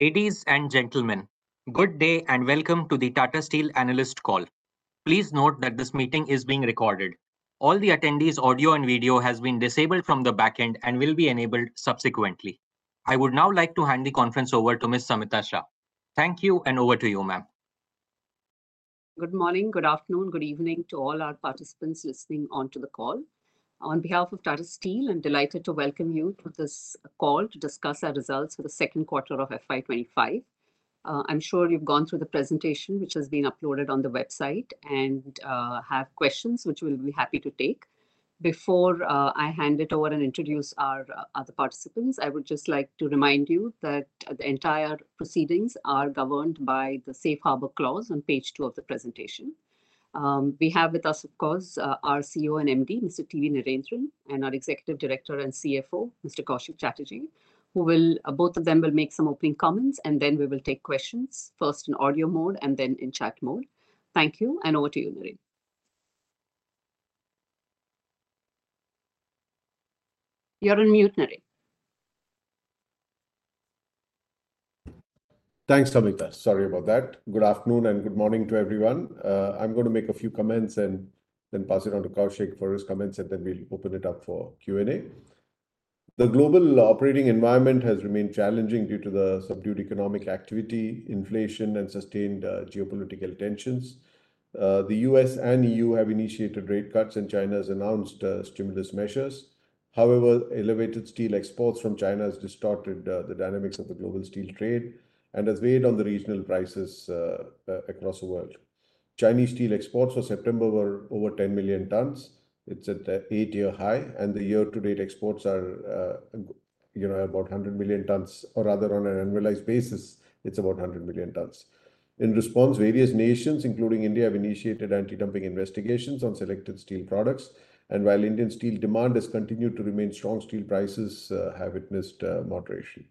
Ladies and gentlemen, good day and welcome to the Tata Steel Analyst Call. Please note that this meeting is being recorded. All the attendees' audio and video have been disabled from the back end and will be enabled subsequently. I would now like to hand the conference over to Ms. Samita Shah. Thank you, and over to you, ma'am. Good morning, good afternoon, good evening to all our participants listening onto the call. On behalf of Tata Steel, I'm delighted to welcome you to this call to discuss our results for the Q2 of FY25. I'm sure you've gone through the presentation, which has been uploaded on the website, and have questions, which we'll be happy to take. Before I hand it over and introduce our other participants, I would just like to remind you that the entire proceedings are governed by the Safe Harbor Clause on page two of the presentation. We have with us, of course, our CEO and MD, Mr. T. V. Narendran, and our Executive Director and CFO, Mr. Koushik Chatterjee, who will, both of them will make some opening comments, and then we will take questions, first in audio mode and then in chat mode. Thank you, and over to you, Narendran. You're on mute, Narendran. Thanks, Samita. Sorry about that. Good afternoon and good morning to everyone. I'm going to make a few comments and then pass it on to Koushik for his comments, and then we'll open it up for Q&A. The global operating environment has remained challenging due to the subdued economic activity, inflation, and sustained geopolitical tensions. The U.S. and E.U. have initiated rate cuts, and China has announced stimulus measures. However, elevated steel exports from China have distorted the dynamics of the global steel trade and have weighed on the regional prices across the world. Chinese steel exports for September were over 10 million tons. It's at the eight-year high, and the year-to-date exports are about 100 million tons, or rather, on an annualized basis, it's about 100 million tons. In response, various nations, including India, have initiated anti-dumping investigations on selected steel products, and while Indian steel demand has continued to remain strong steel prices have witnessed moderation.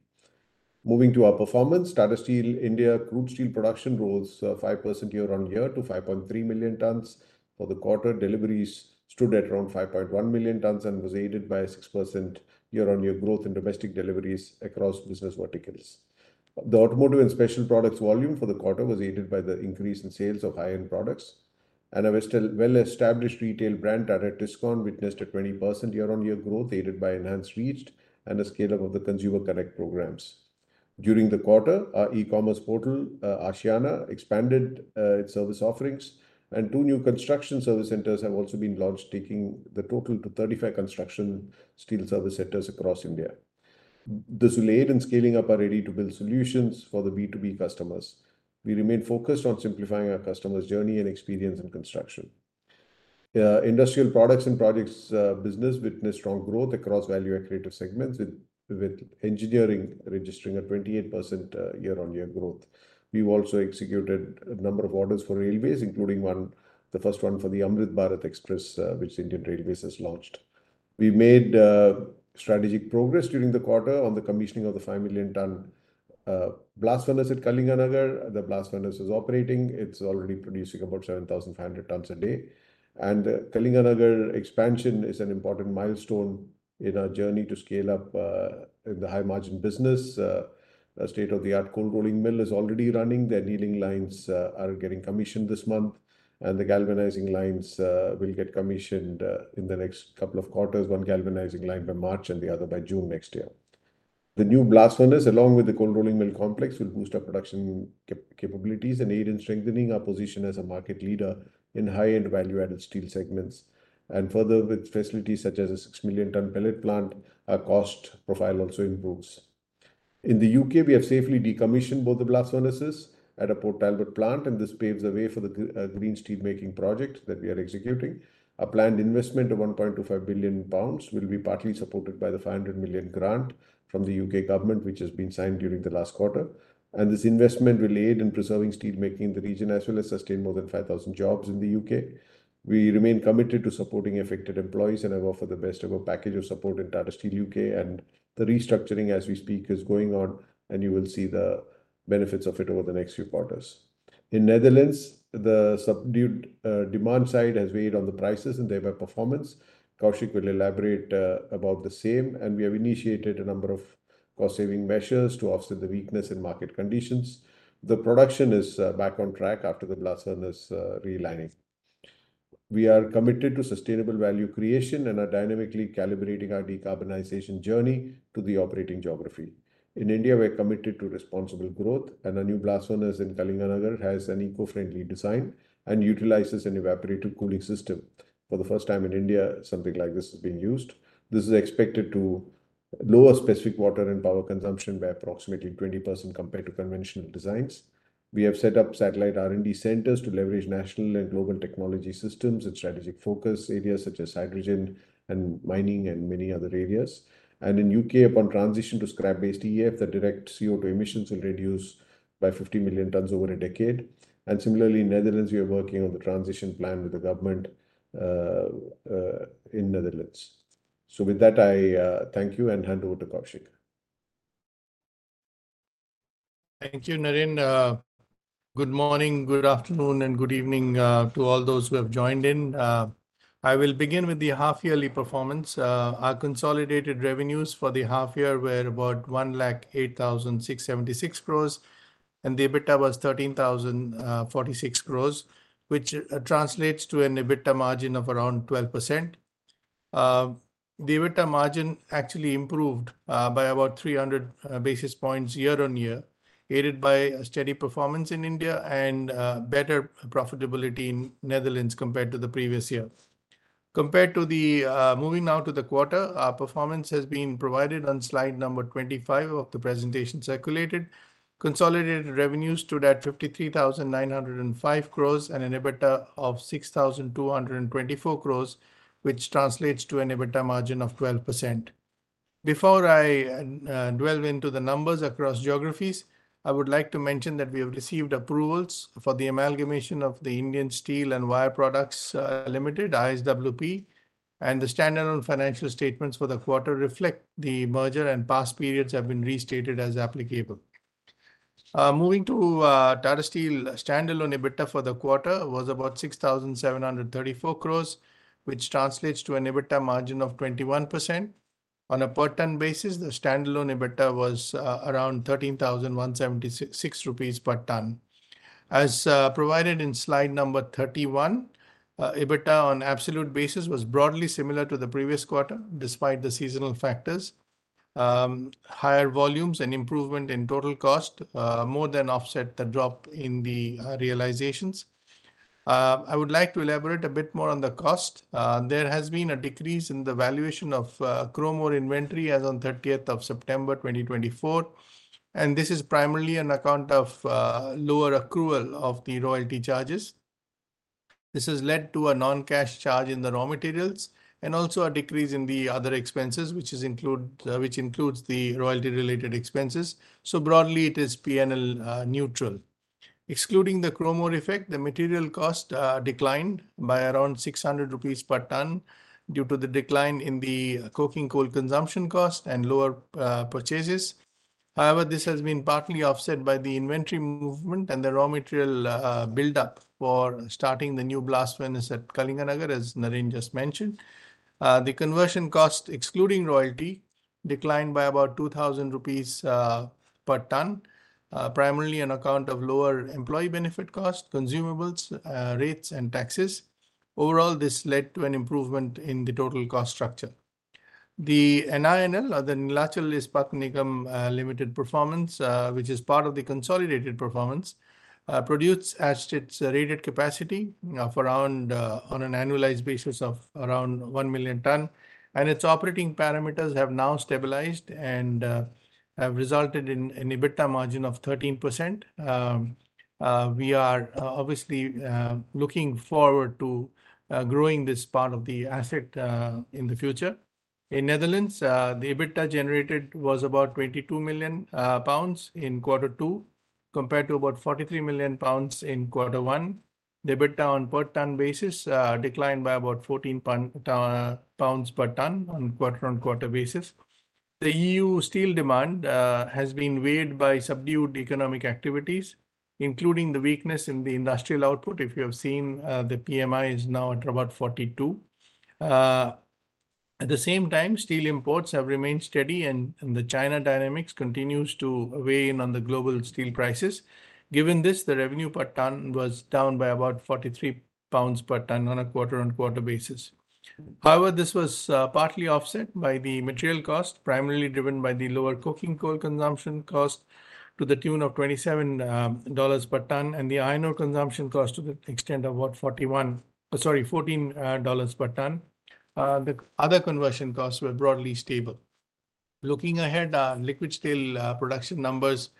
Moving to our performance, Tata Steel India's crude steel production rose 5% year-on-year to 5.3 million tons for the quarter. Deliveries stood at around 5.1 million tons and were aided by a 6% year-on-year growth in domestic deliveries across business verticals. The automotive and special products volume for the quarter was aided by the increase in sales of high-end products, and a well-established retail brand, Tata Tiscon, witnessed a 20% year-on-year growth aided by enhanced reach and a scale-up of the consumer connect programs. During the quarter, our e-commerce portal, Aashiyana, expanded its service offerings, and two new construction service centers have also been launched, taking the total to 35 construction steel service centers across India. This will aid in scaling up our ready-to-build solutions for the B2B customers. We remain focused on simplifying our customers' journey and experience in construction. Industrial products and projects business witnessed strong growth across value-accretive segments, with engineering registering a 28% year-on-year growth. We've also executed a number of orders for railways, including the first one for the Amrit Bharat Express, which Indian Railways has launched. We made strategic progress during the quarter on the commissioning of the five million-ton blast furnace at Kalinganagar. The blast furnace is operating. It's already producing about 7,500 tons a day. And the Kalinganagar expansion is an important milestone in our journey to scale up the high-margin business. A state-of-the-art cold rolling mill is already running. The annealing lines are getting commissioned this month, and the galvanizing lines will get commissioned in the next couple of quarters, one galvanizing line by March and the other by June next year. The new blast furnace, along with the cold rolling mill complex, will boost our production capabilities and aid in strengthening our position as a market leader in high-end value-added steel segments, and further, with facilities such as a six million-ton pellet plant, our cost profile also improves. In the U.K., we have safely decommissioned both the blast furnaces at Port Talbot plant, and this paves the way for the green steelmaking project that we are executing. Our planned investment of 1.25 billion pounds will be partly supported by the 500 million grant from the U.K. government, which has been signed during the last quarter. This investment will aid in preserving steelmaking in the region as well as sustain more than 5,000 jobs in the U.K. We remain committed to supporting affected employees and have offered the best of a package of support in Tata Steel U.K., and the restructuring as we speak is going on, and you will see the benefits of it over the next few quarters. In the Netherlands, the subdued demand side has weighed on the prices and their performance. Koushik will elaborate about the same, and we have initiated a number of cost-saving measures to offset the weakness in market conditions. The production is back on track after the blast furnace relining. We are committed to sustainable value creation and are dynamically calibrating our decarbonization journey to the operating geography. In India, we're committed to responsible growth, and our new blast furnace in Kalinganagar has an eco-friendly design and utilizes an evaporative cooling system. For the first time in India, something like this is being used. This is expected to lower specific water and power consumption by approximately 20% compared to conventional designs. We have set up satellite R&D centers to leverage national and global technology systems and strategic focus areas such as hydrogen and mining and many other areas. And in the U.K., upon transition to scrap-based EF, the direct CO2 emissions will reduce by 50 million tons over a decade. And similarly, in the Netherlands, we are working on the transition plan with the government in the Netherlands. So with that, I thank you and hand over to Koushik. Thank you, Narendran. Good morning, good afternoon, and good evening to all those who have joined in. I will begin with the half-yearly performance. Our consolidated revenues for the half-year were about 108,676 crores, and the EBITDA was 13,046 crores, which translates to an EBITDA margin of around 12%. The EBITDA margin actually improved by about 300 basis points year-on-year, aided by steady performance in India and better profitability in the Netherlands compared to the previous year. Moving now to the quarter, our performance has been provided on slide number 25 of the presentation circulated. Consolidated revenues stood at 53,905 crores and an EBITDA of 6,224 crores, which translates to an EBITDA margin of 12%. Before I delve into the numbers across geographies, I would like to mention that we have received approvals for the amalgamation of the Indian Steel and Wire Products Limited, ISWP, and the standalone financial statements for the quarter reflect the merger, and past periods have been restated as applicable. Moving to Tata Steel, standalone EBITDA for the quarter was about 6,734 crores, which translates to an EBITDA margin of 21%. On a per-ton basis, the standalone EBITDA was around 13,176 rupees per ton. As provided in slide number 31, EBITDA on absolute basis was broadly similar to the previous quarter, despite the seasonal factors. Higher volumes and improvement in total cost more than offset the drop in the realizations. I would like to elaborate a bit more on the cost. There has been a decrease in the valuation of CROMOR inventory as of September 30, 2024, and this is primarily on account of lower accrual of the royalty charges. This has led to a non-cash charge in the raw materials and also a decrease in the other expenses, which includes the royalty-related expenses. So broadly, it is P&L neutral. Excluding the CROMOR effect, the material cost declined by around 600 rupees per ton due to the decline in the coking coal consumption cost and lower purchases. However, this has been partly offset by the inventory movement and the raw material buildup for starting the new blast furnace at Kalinganagar, as Narendran just mentioned. The conversion cost, excluding royalty, declined by about 2,000 rupees per ton, primarily on account of lower employee benefit cost, consumables, rates, and taxes. Overall, this led to an improvement in the total cost structure. The NINL, or the Neelachal Ispat Nigam Limited performance, which is part of the consolidated performance, produced at its rated capacity of around, on an annualized basis of around one million ton, and its operating parameters have now stabilized and have resulted in an EBITDA margin of 13%. We are obviously looking forward to growing this part of the asset in the future. In the Netherlands, the EBITDA generated was about 22 million pounds in quarter two, compared to about 43 million pounds in quarter one. The EBITDA on a per-ton basis declined by about 14 pounds per ton on a quarter-on-quarter basis. The EU steel demand has been weighed by subdued economic activities, including the weakness in the industrial output. If you have seen, the PMI is now at about 42. At the same time, steel imports have remained steady, and the China dynamics continue to weigh in on the global steel prices. Given this, the revenue per ton was down by about 43 pounds per ton on a quarter-on-quarter basis. However, this was partly offset by the material cost, primarily driven by the lower coking coal consumption cost to the tune of $27 per ton, and the iron ore consumption cost to the extent of about $14 per ton. The other conversion costs were broadly stable. Looking ahead, liquid steel production numbers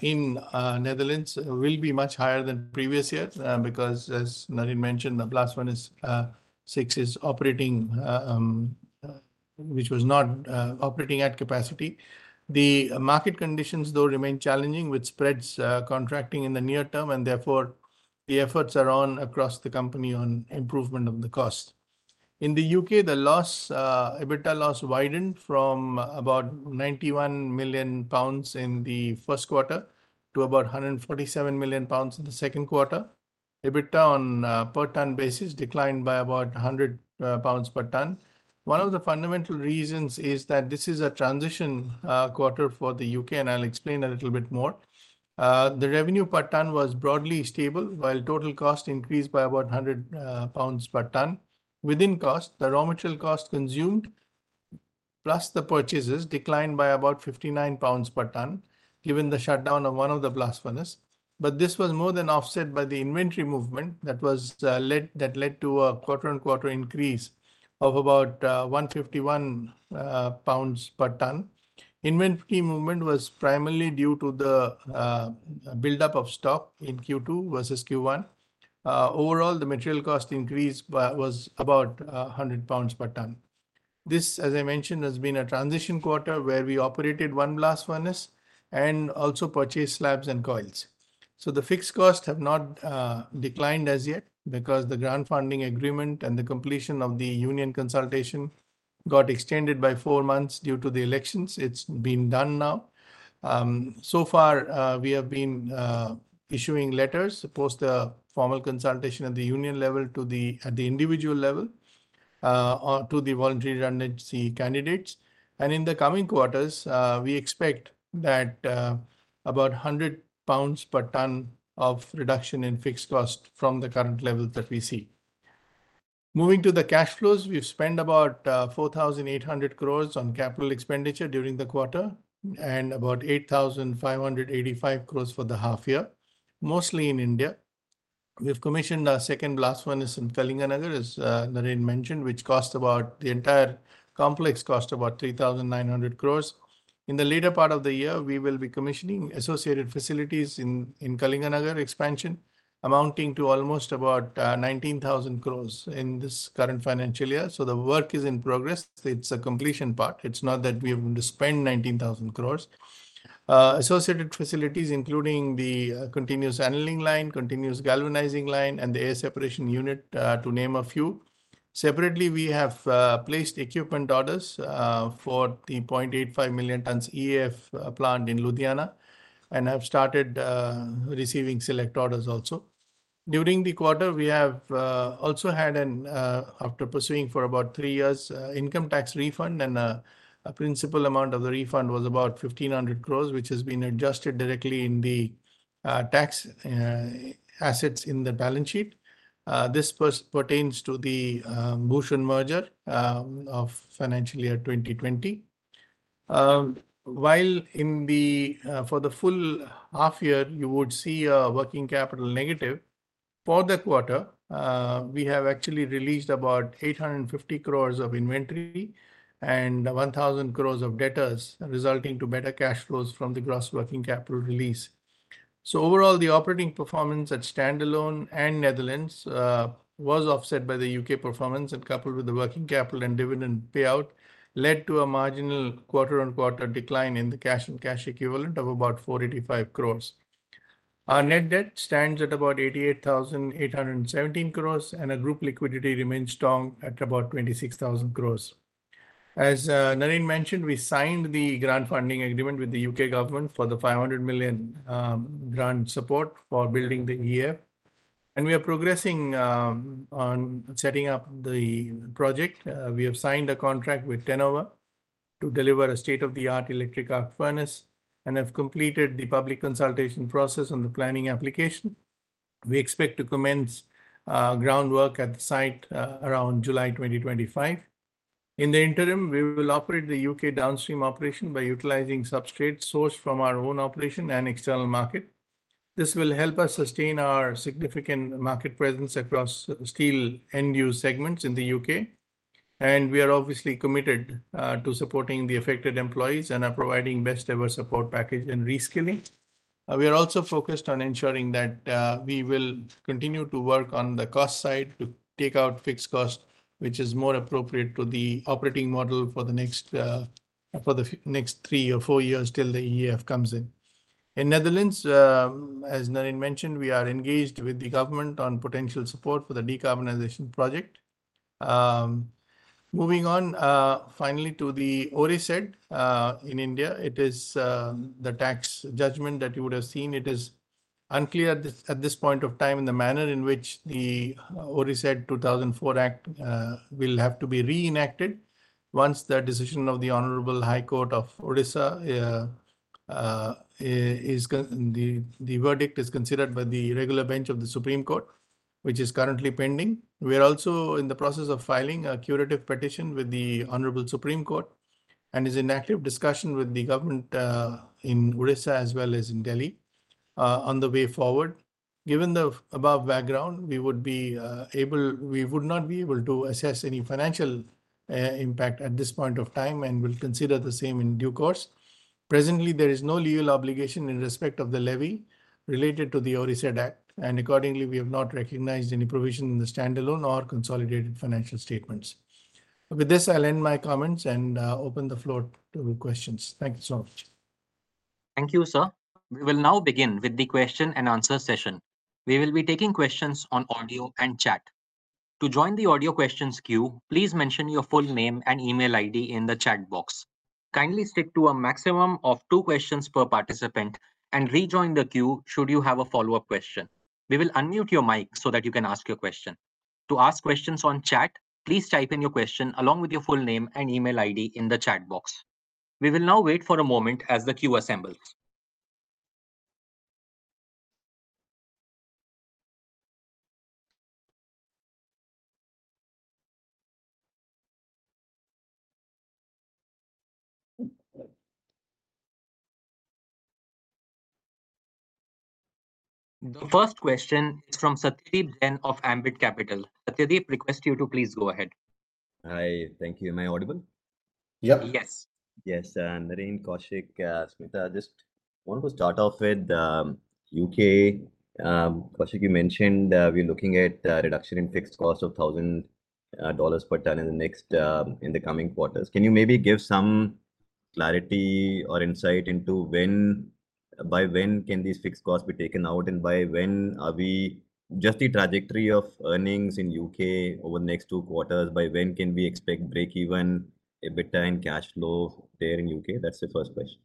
in the Netherlands will be much higher than previous years because, as Narendran mentioned, the last one, blast furnace six, is operating, which was not operating at capacity. The market conditions, though, remain challenging, with spreads contracting in the near term, and therefore, the efforts are on across the company on improvement of the cost. In the U.K., the EBITDA loss widened from about 91 million pounds in the Q1 to about 147 million pounds in the Q2. EBITDA on a per-ton basis declined by about 100 pounds per ton. One of the fundamental reasons is that this is a transition quarter for the U.K., and I'll explain a little bit more. The revenue per ton was broadly stable, while total cost increased by about 100 pounds per ton. Within cost, the raw material cost consumed plus the purchases declined by about 59 pounds per ton, given the shutdown of one of the blast furnaces. But this was more than offset by the inventory movement that led to a quarter-on-quarter increase of about 151 pounds per ton. Inventory movement was primarily due to the buildup of stock in Q2 versus Q1. Overall, the material cost increase was about 100 pounds per ton. This, as I mentioned, has been a transition quarter where we operated one blast furnace and also purchased slabs and coils, so the fixed costs have not declined as yet because the grant funding agreement and the completion of the union consultation got extended by four months due to the elections. It's been done now. So far, we have been issuing letters to post the formal consultation at the union level to the individual level to the voluntary candidates, and in the coming quarters, we expect that about 100 pounds per ton of reduction in fixed cost from the current level that we see. Moving to the cash flows, we've spent about 4,800 crores on capital expenditure during the quarter and about 8,585 crores for the half-year, mostly in India. We've commissioned our second blast furnace in Kalinganagar, as Narendran mentioned, which cost about the entire complex cost about 3,900 crores. In the later part of the year, we will be commissioning associated facilities in Kalinganagar expansion, amounting to almost about 19,000 crores in this current financial year. So the work is in progress. It's a completion part. It's not that we have to spend 19,000 crores. Associated facilities, including the continuous annealing line, continuous galvanizing line, and the air separation unit, to name a few. Separately, we have placed equipment orders for the 0.85 million tons EAF plant in Ludhiana and have started receiving select orders also. During the quarter, we have also had, after pursuing for about three years, income tax refund, and a principal amount of the refund was about 1,500 crores, which has been adjusted directly in the tax assets in the balance sheet. This pertains to the Bhushan merger of financial year 2020. While in the for the full half year, you would see a working capital negative. For the quarter, we have actually released about 850 crores of inventory and 1,000 crores of debtors, resulting in better cash flows from the gross working capital release. So overall, the operating performance at standalone and Netherlands was offset by the U.K. performance, and coupled with the working capital and dividend payout, led to a marginal quarter-on-quarter decline in the cash and cash equivalents of about 485 crores. Our net debt stands at about 88,817 crores, and our group liquidity remains strong at about 26,000 crores. As Narendran mentioned, we signed the grant funding agreement with the U.K. government for the 500 million grant support for building the EF, and we are progressing on setting up the project. We have signed a contract with Tenova to deliver a state-of-the-art electric arc furnace and have completed the public consultation process on the planning application. We expect to commence groundwork at the site around July 2025. In the interim, we will operate the U.K. downstream operation by utilizing substrates sourced from our own operation and external market. This will help us sustain our significant market presence across steel end-use segments in the U.K. And we are obviously committed to supporting the affected employees and are providing the best-ever support package and reskilling. We are also focused on ensuring that we will continue to work on the cost side to take out fixed cost, which is more appropriate to the operating model for the next three or four years till the EF comes in. In the Netherlands, as Narendran mentioned, we are engaged with the government on potential support for the decarbonization project. Moving on, finally, to the ORISED in India, it is the tax judgment that you would have seen. It is unclear at this point of time in the manner in which the ORISED 2004 Act will have to be reenacted once the decision of the Honorable High Court of Odisha, the verdict, is considered by the regular bench of the Supreme Court, which is currently pending. We are also in the process of filing a curative petition with the Honorable Supreme Court and is in active discussion with the government in Odisha as well as in Delhi on the way forward. Given the above background, we would not be able to assess any financial impact at this point of time and will consider the same in due course. Presently, there is no legal obligation in respect of the levy related to the ORISED Act, and accordingly, we have not recognized any provision in the standalone or consolidated financial statements. With this, I'll end my comments and open the floor to questions. Thank you so much. Thank you, sir. We will now begin with the question and answer session. We will be taking questions on audio and chat. To join the audio questions queue, please mention your full name and email ID in the chat box. Kindly stick to a maximum of two questions per participant and rejoin the queue should you have a follow-up question. We will unmute your mic so that you can ask your question. To ask questions on chat, please type in your question along with your full name and email ID in the chat box. We will now wait for a moment as the queue assembles. The first question is from Satyadeep Jain of Ambit Capital. Satyadeep, request you to please go ahead. Hi, thank you. Am I audible? Yep. Yes. Narendran, Koushik, Samita, just want to start off with the U.K. Koushik, you mentioned we're looking at a reduction in fixed cost of $1,000 per ton in the coming quarters. Can you maybe give some clarity or insight into when by when can these fixed costs be taken out and by when are we just the trajectory of earnings in U.K. over the next two quarters, by when can we expect breakeven, EBITDA and cash flow there in U.K.? That's the first question.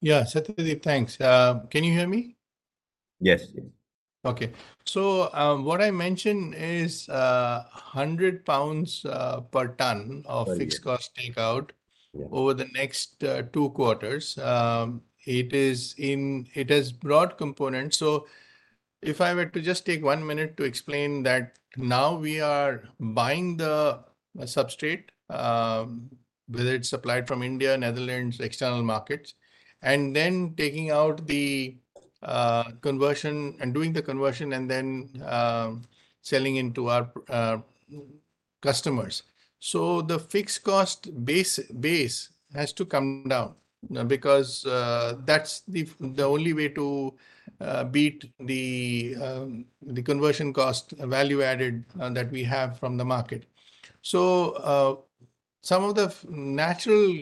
Yeah, Satyadeep, thanks. Can you hear me? Yes, yes. Okay. What I mentioned is 100 pounds per ton of fixed cost takeout over the next two quarters. It is. It has broad components. If I were to just take one minute to explain that, now we are buying the substrate, whether it's supplied from India, Netherlands, external markets, and then taking out the conversion and doing the conversion and then selling into our customers. The fixed cost base has to come down because that's the only way to beat the conversion cost value added that we have from the market. Some of the natural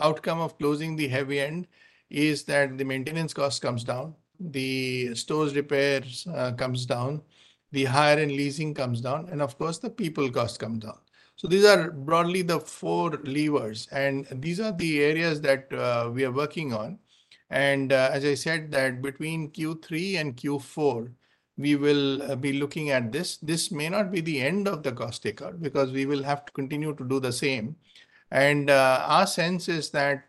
outcome of closing the heavy end is that the maintenance cost comes down, the stores repairs comes down, the hire and leasing comes down, and of course, the people cost comes down. So these are broadly the four levers, and these are the areas that we are working on. And as I said, that between Q3 and Q4, we will be looking at this. This may not be the end of the cost takeout because we will have to continue to do the same. And our sense is that,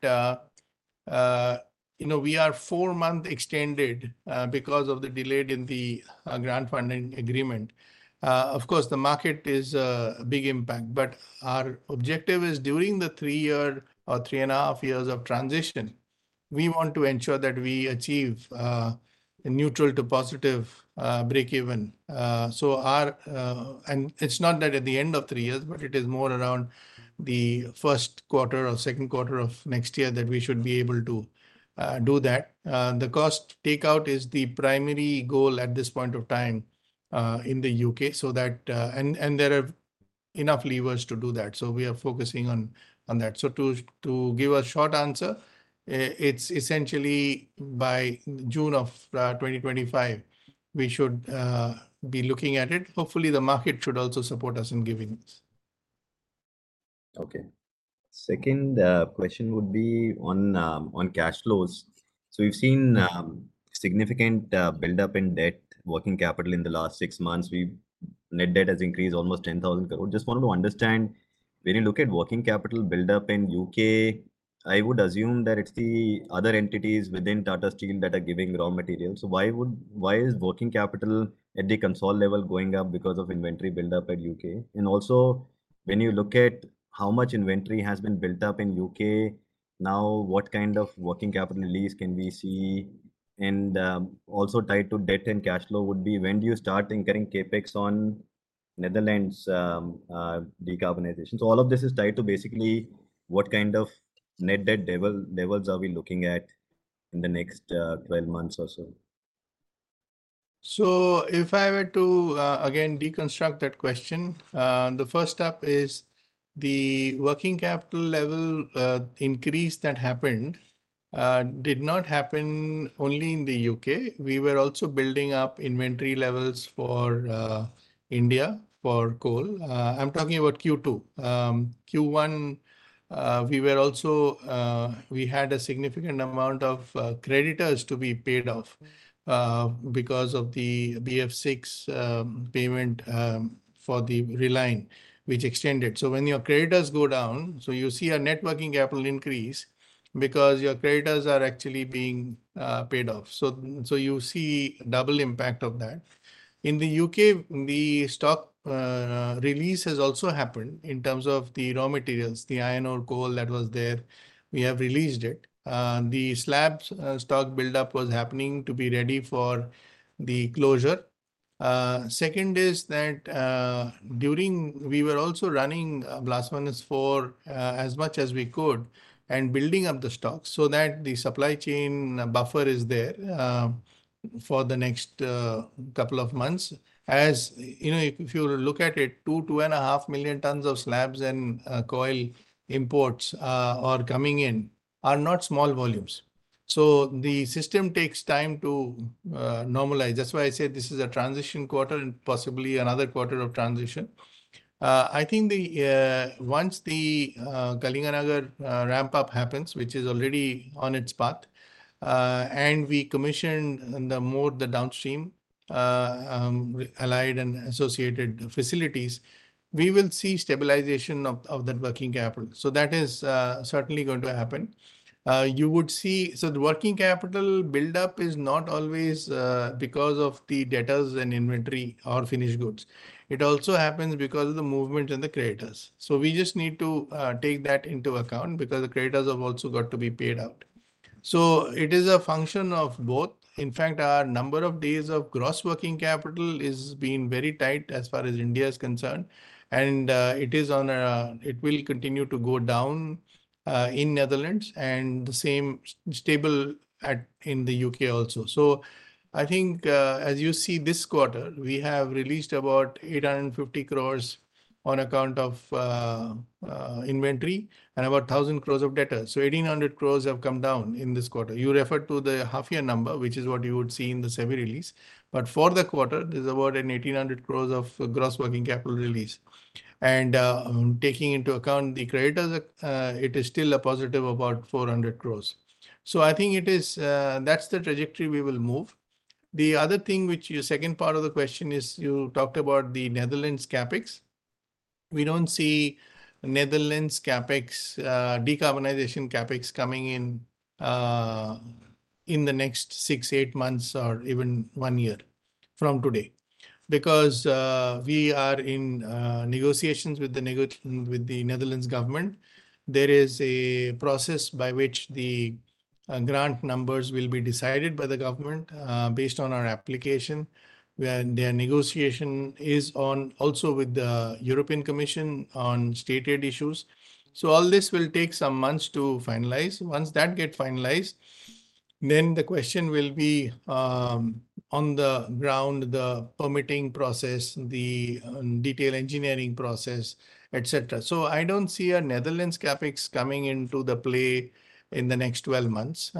you know, we are four months extended because of the delay in the grant funding agreement. Of course, the market is a big impact, but our objective is during the three year or three and a half years of transition, we want to ensure that we achieve a neutral to positive breakeven. So our and it's not that at the end of three years, but it is more around the Q1 or Q2 of next year that we should be able to do that. The cost takeout is the primary goal at this point of time in the U.K., so that and there are enough levers to do that, so we are focusing on that, so to give a short answer, it's essentially by June of 2025, we should be looking at it. Hopefully, the market should also support us in giving this. Okay. Second question would be on cash flows, so we've seen significant buildup in debtor working capital in the last six months. Net debt has increased almost 10,000 crore. Just wanted to understand when you look at working capital buildup in U.K., I would assume that it's the other entities within Tata Steel that are giving raw materials, so why is working capital at the consolidated level going up because of inventory buildup at U.K.? And also, when you look at how much inventory has been built up in U.K., now what kind of working capital release can we see? And also tied to debt and cash flow would be when do you start incurring CapEx on Netherlands decarbonization? So all of this is tied to basically what kind of net debt levels are we looking at in the next 12 months or so? So if I were to, again, deconstruct that question, the first step is the working capital level increase that happened did not happen only in the U.K. We were also building up inventory levels for India for coal. I'm talking about Q2. Q1, we also had a significant amount of creditors to be paid off because of the BF6 payment for the reline, which extended. So when your creditors go down, so you see a net working capital increase because your creditors are actually being paid off. So you see double impact of that. In the U.K., the stock release has also happened in terms of the raw materials, the iron ore coal that was there. We have released it. The slab stock buildup was happening to be ready for the closure. Second is that during we were also running blast furnace for as much as we could and building up the stock so that the supply chain buffer is there for the next couple of months. As you know, if you look at it, 2-2.5 million tons of slabs and coil imports are coming in, are not small volumes. So the system takes time to normalize. That's why I say this is a transition quarter and possibly another quarter of transition. I think once the Kalinganagar ramp up happens, which is already on its path, and we commission the more the downstream allied and associated facilities, we will see stabilization of that working capital. So that is certainly going to happen. You would see so the working capital buildup is not always because of the debtors and inventory or finished goods. It also happens because of the movement and the creditors. So we just need to take that into account because the creditors have also got to be paid out. So it is a function of both. In fact, our number of days of gross working capital is being very tight as far as India is concerned. It will continue to go down in Netherlands and the same stable at in the U.K. also. So I think as you see this quarter, we have released about 850 crores on account of inventory and about 1,000 crores of debtors. So 1,800 crores have come down in this quarter. You referred to the half year number, which is what you would see in the semi-release. But for the quarter, there's about an 1,800 crores of gross working capital release. And taking into account the creditors, it is still a positive about 400 crores. So I think it is that's the trajectory we will move. The other thing which your second part of the question is you talked about the Netherlands CapEx. We don't see Netherlands CapEx decarbonization CapEx coming in in the next six, eight months or even one year from today because we are in negotiations with the Netherlands government. There is a process by which the grant numbers will be decided by the government based on our application. Their negotiation is on also with the European Commission on state aid issues. So all this will take some months to finalize. Once that gets finalized, then the question will be on the ground, the permitting process, the detail engineering process, etc. So I don't see a Netherlands CapEx coming into the play in the next 12 months.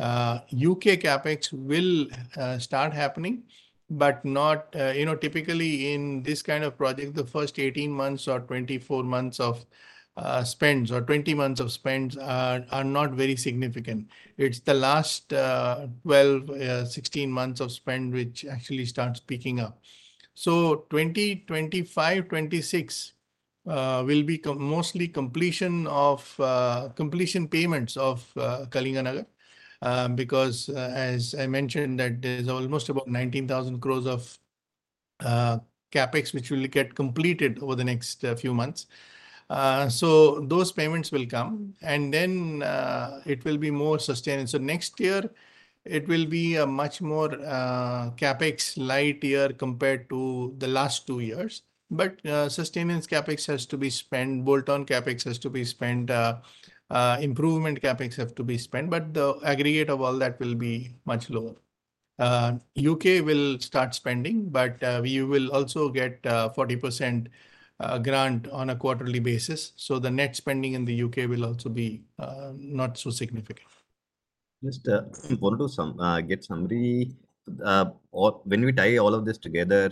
U.K. CapEx will start happening, but not typically in this kind of project, the first 18 months or 24 months of spends or 20 months of spends are not very significant. It's the last 12, 16 months of spend which actually starts picking up. 2025-2026 will be mostly completion of payments of Kalinganagar because as I mentioned, that is almost about 19,000 crores of CapEx which will get completed over the next few months. Those payments will come and then it will be more sustained. Next year, it will be a much more CapEx-light year compared to the last two years. But sustenance CapEx has to be spent, bolt-on CapEx has to be spent, improvement CapEx have to be spent, but the aggregate of all that will be much lower. U.K. will start spending, but we will also get 40% grant on a quarterly basis. The net spending in the U.K. will also be not so significant. Just want to get summary. When we tie all of this together,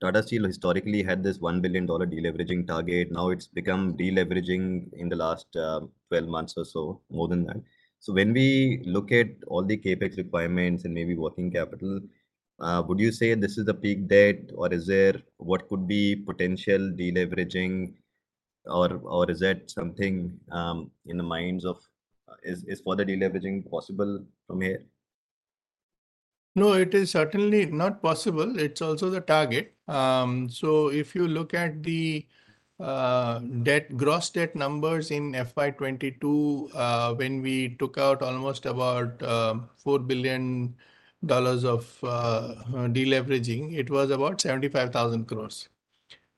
Tata Steel historically had this $1 billion deleveraging target. Now it's become deleveraging in the last 12 months or so, more than that. So when we look at all the CapEx requirements and maybe working capital, would you say this is a peak debt or is there what could be potential deleveraging or is that something in the minds of is further deleveraging possible from here? No, it is certainly not possible. It's also the target. So if you look at the debt gross debt numbers in FY22, when we took out almost about $4 billion of deleveraging, it was about 75,000 crores.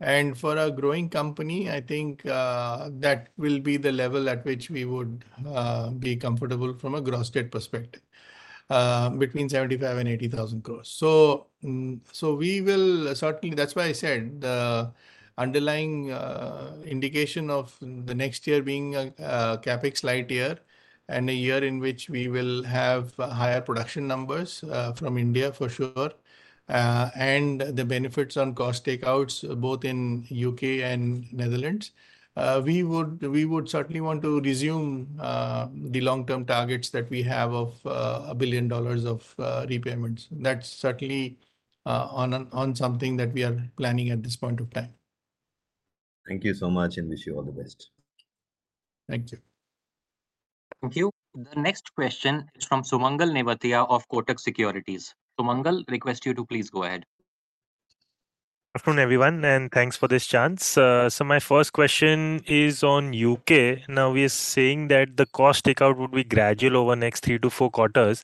And for a growing company, I think that will be the level at which we would be comfortable from a gross debt perspective, between 75,000 and 80,000 crores. So we will certainly. That's why I said the underlying indication of the next year being a CapEx light year and a year in which we will have higher production numbers from India for sure. And the benefits on cost takeouts both in U.K. and Netherlands, we would certainly want to resume the long-term targets that we have of $1 billion of repayments. That's certainly on something that we are planning at this point of time. Thank you so much and wish you all the best. Thank you. Thank you. The next question is from Sumangal Nevatia of Kotak Securities. Sumangal, request you to please go ahead. Good afternoon, everyone, and thanks for this chance. My first question is on U.K. Now we are saying that the cost takeout would be gradual over the next three to four quarters.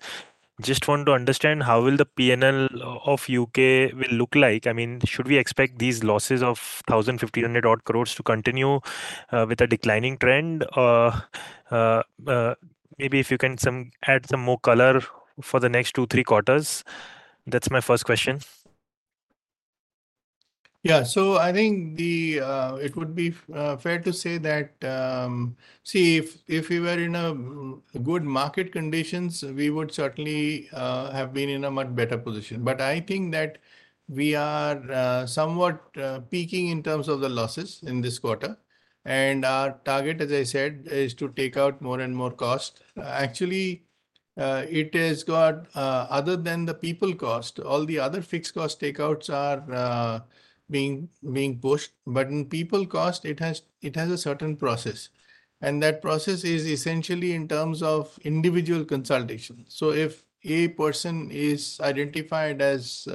Just want to understand how will the P&L of U.K. look like? I mean, should we expect these losses of 1,500 crores to continue with a declining trend? Maybe if you can add some more color for the next two, three quarters. That's my first question. Yeah, so I think it would be fair to say that, see, if we were in good market conditions, we would certainly have been in a much better position. But I think that we are somewhat peaking in terms of the losses in this quarter. And our target, as I said, is to take out more and more cost. Actually, it has got, other than the people cost, all the other fixed cost takeouts are being pushed. But in people cost, it has a certain process. And that process is essentially in terms of individual consultation. If a person is identified as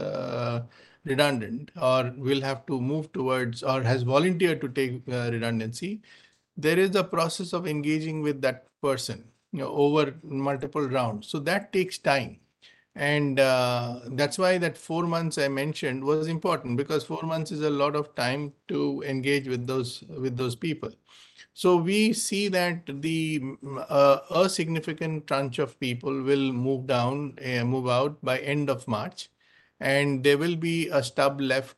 redundant or will have to move towards or has volunteered to take redundancy, there is a process of engaging with that person over multiple rounds. That takes time. That's why that four months I mentioned was important because four months is a lot of time to engage with those people. We see that a significant tranche of people will move down, move out by end of March. There will be a stub left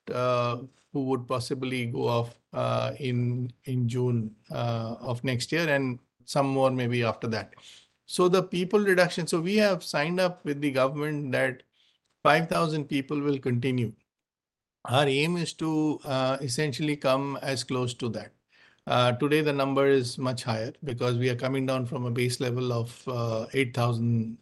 who would possibly go off in June of next year and some more maybe after that. The people reduction, we have signed up with the government that 5,000 people will continue. Our aim is to essentially come as close to that. Today, the number is much higher because we are coming down from a base level of 8,000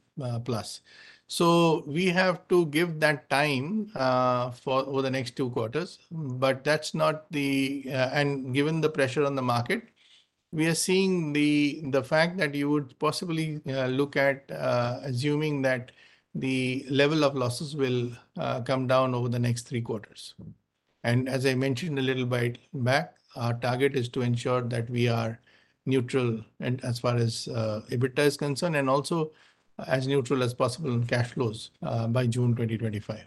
plus. So we have to give that time for the next two quarters. But that's not the, and given the pressure on the market, we are seeing the fact that you would possibly look at assuming that the level of losses will come down over the next three quarters. And as I mentioned a little bit back, our target is to ensure that we are neutral as far as EBITDA is concerned and also as neutral as possible in cash flows by June 2025.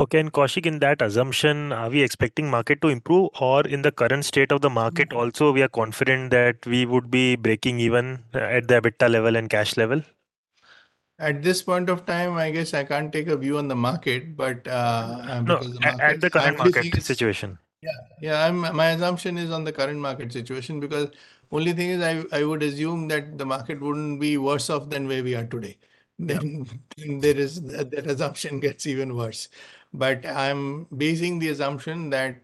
Okay, and Koushik, in that assumption, are we expecting market to improve or in the current state of the market, also we are confident that we would be breaking even at the EBITDA level and cash level? At this point of time, I guess I can't take a view on the market, but.. At the current market situation. Yeah, yeah, my assumption is on the current market situation because only thing is I would assume that the market wouldn't be worse off than where we are today. Then there is that assumption gets even worse. But I'm basing the assumption that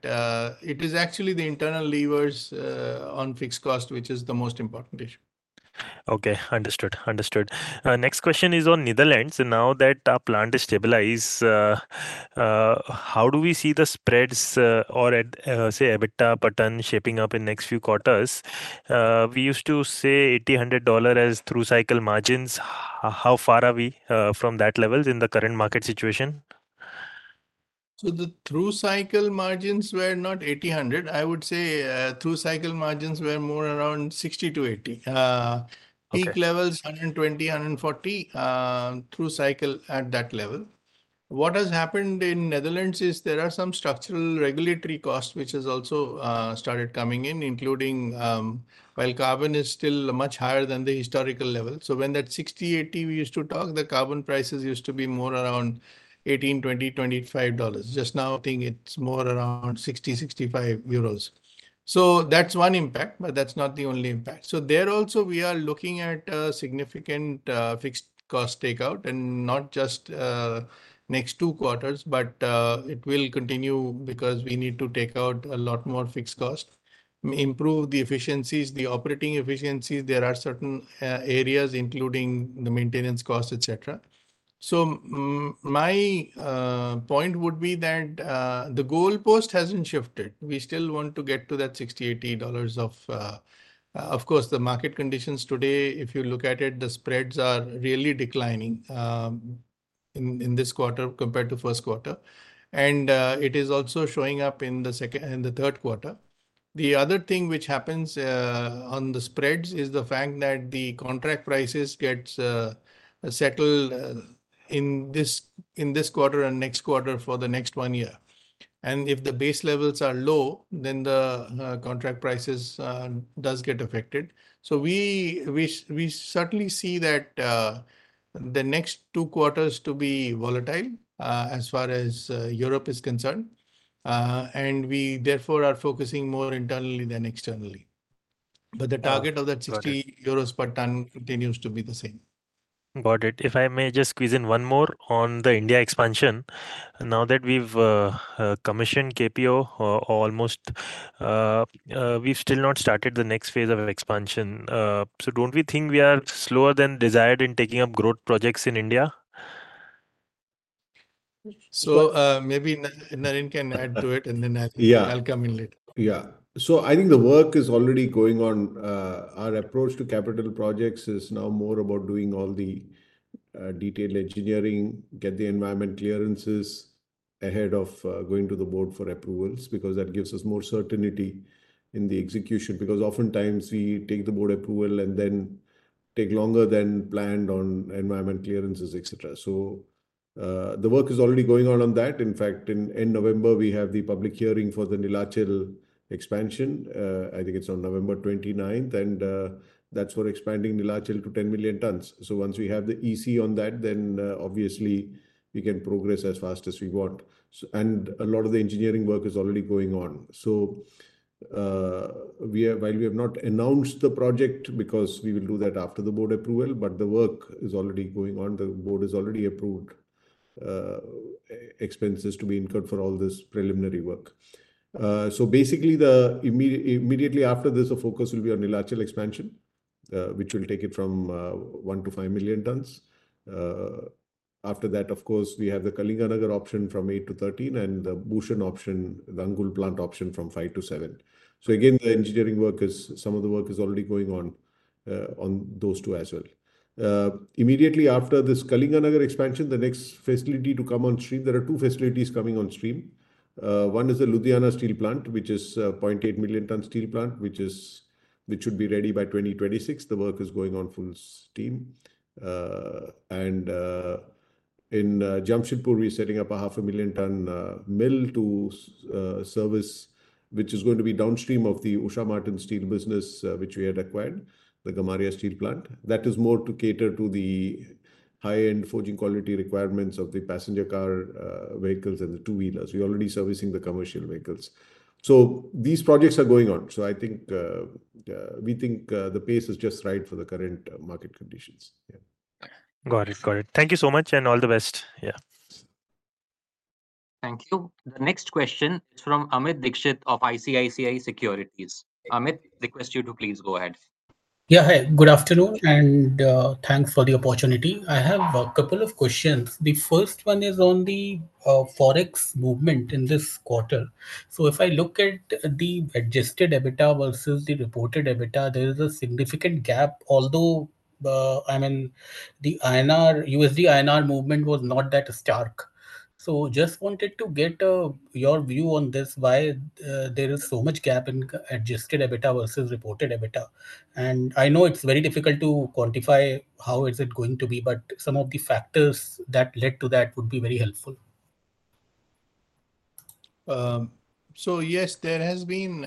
it is actually the internal levers on fixed cost, which is the most important issue. Okay, understood. Understood. Next question is on Netherlands. Now that our plant is stabilized, how do we see the spreads or say EBITDA pattern shaping up in next few quarters? We used to say $1,800 as through cycle margins. How far are we from that level in the current market situation? So the through cycle margins were not $1,800. I would say through cycle margins were more around $60 to $80. Peak levels, $120, $140 through cycle at that level. What has happened in Netherlands is there are some structural regulatory costs which has also started coming in, including while carbon is still much higher than the historical level. So when that 60, 80 we used to talk, the carbon prices used to be more around 18, 20, EUR 25. Just now I think it's more around 60, 65 euros. So that's one impact, but that's not the only impact. So there also we are looking at a significant fixed cost takeout and not just next two quarters, but it will continue because we need to take out a lot more fixed cost, improve the efficiencies, the operating efficiencies. There are certain areas including the maintenance costs, etc. So my point would be that the goal post hasn't shifted. We still want to get to that $60, $80 of, of course, the market conditions today. If you look at it, the spreads are really declining in this quarter compared to Q1. And it is also showing up in the second and the Q3. The other thing which happens on the spreads is the fact that the contract prices get settled in this quarter and next quarter for the next one year. And if the base levels are low, then the contract prices do get affected. So we certainly see that the next two quarters to be volatile as far as Europe is concerned. And we therefore are focusing more internally than externally. But the target of that €60 per ton continues to be the same. Got it. If I may just squeeze in one more on the India expansion. Now that we've commissioned KPO almost, we've still not started the next phase of expansion. So don't we think we are slower than desired in taking up growth projects in India? So maybe Narendran can add to it and then I'll come in later. Yeah. So I think the work is already going on. Our approach to capital projects is now more about doing all the detailed engineering, get the environment clearances ahead of going to the board for approvals because that gives us more certainty in the execution. Because oftentimes we take the board approval and then take longer than planned on environment clearances, etc. So the work is already going on that. In fact, in November, we have the public hearing for the Neelachal expansion. I think it's on November 29th, and that's for expanding Neelachal to 10 million tons. Once we have the EC on that, then obviously we can progress as fast as we want. A lot of the engineering work is already going on. While we have not announced the project because we will do that after the board approval, the work is already going on. The board has already approved expenses to be incurred for all this preliminary work. Basically, immediately after this, the focus will be on Neelachal expansion, which will take it from one to five million tons. After that, of course, we have the Kalinganagar option from eight to 13 and the Bhushan option, the Angul plant option from five to seven. Again, the engineering work is. Some of the work is already going on those two as well. Immediately after this Kalinganagar expansion, the next facility to come on stream, there are two facilities coming on stream. One is the Ludhiana Steel Plant, which is a 0.8 million ton steel plant, which should be ready by 2026. The work is going on full steam, and in Jamshedpur, we are setting up a 500,000 ton mill to service, which is going to be downstream of the Usha Martin Steel business, which we had acquired, the Gamaria Steel Plant. That is more to cater to the high-end forging quality requirements of the passenger car vehicles and the two-wheelers. We are already servicing the commercial vehicles, so these projects are going on, so I think the pace is just right for the current market conditions. Yeah. Got it. Got it. Thank you so much and all the best. Yeah. Thank you. The next question is from Amit Dixit of ICICI Securities. Amit, I request you to please go ahead. Yeah, hey, good afternoon, and thanks for the opportunity. I have a couple of questions. The first one is on the Forex movement in this quarter. So if I look at the adjusted EBITDA versus the reported EBITDA, there is a significant gap, although I mean the USD INR movement was not that stark. So just wanted to get your view on this, why there is so much gap in adjusted EBITDA versus reported EBITDA. And I know it's very difficult to quantify how is it going to be, but some of the factors that led to that would be very helpful. So yes, there has been.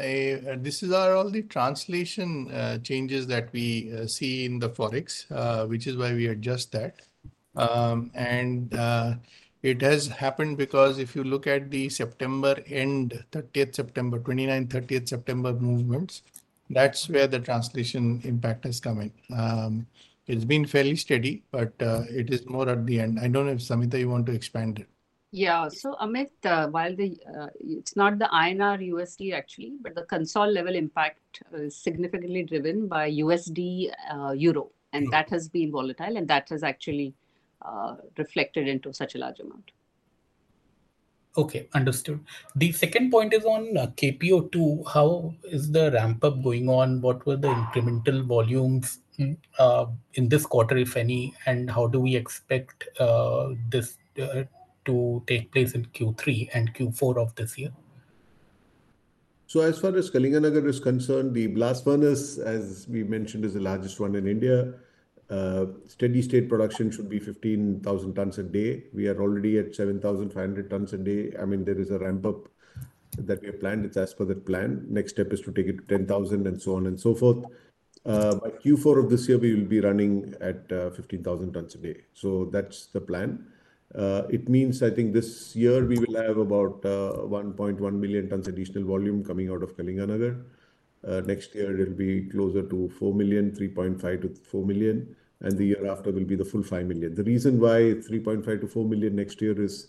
This is all the translation changes that we see in the Forex, which is why we adjust that. It has happened because if you look at the September end, 29th, 30th September movements, that's where the translation impact has come in. It's been fairly steady, but it is more at the end. I don't know if Samita, you want to expand it. Yeah. So Amit, while it's not the INR USD actually, but the consolidated level impact is significantly driven by USD euro. And that has been volatile and that has actually reflected into such a large amount. Okay, understood. The second point is on KPO2. How is the ramp-up going on? What were the incremental volumes in this quarter, if any? And how do we expect this to take place in Q3 and Q4 of this year? So as far as Kalinganagar is concerned, the blast furnace, as we mentioned, is the largest one in India. Steady state production should be 15,000 tons a day. We are already at 7,500 tons a day. I mean, there is a ramp-up that we have planned. It's as per the plan. Next step is to take it to 10,000 and so on and so forth. By Q4 of this year, we will be running at 15,000 tons a day. So that's the plan. It means I think this year we will have about 1.1 million tons additional volume coming out of Kalinganagar. Next year, it will be closer to 4 million, 3.5-4 million. And the year after will be the full 5 million. The reason why 3.5-4 million next year is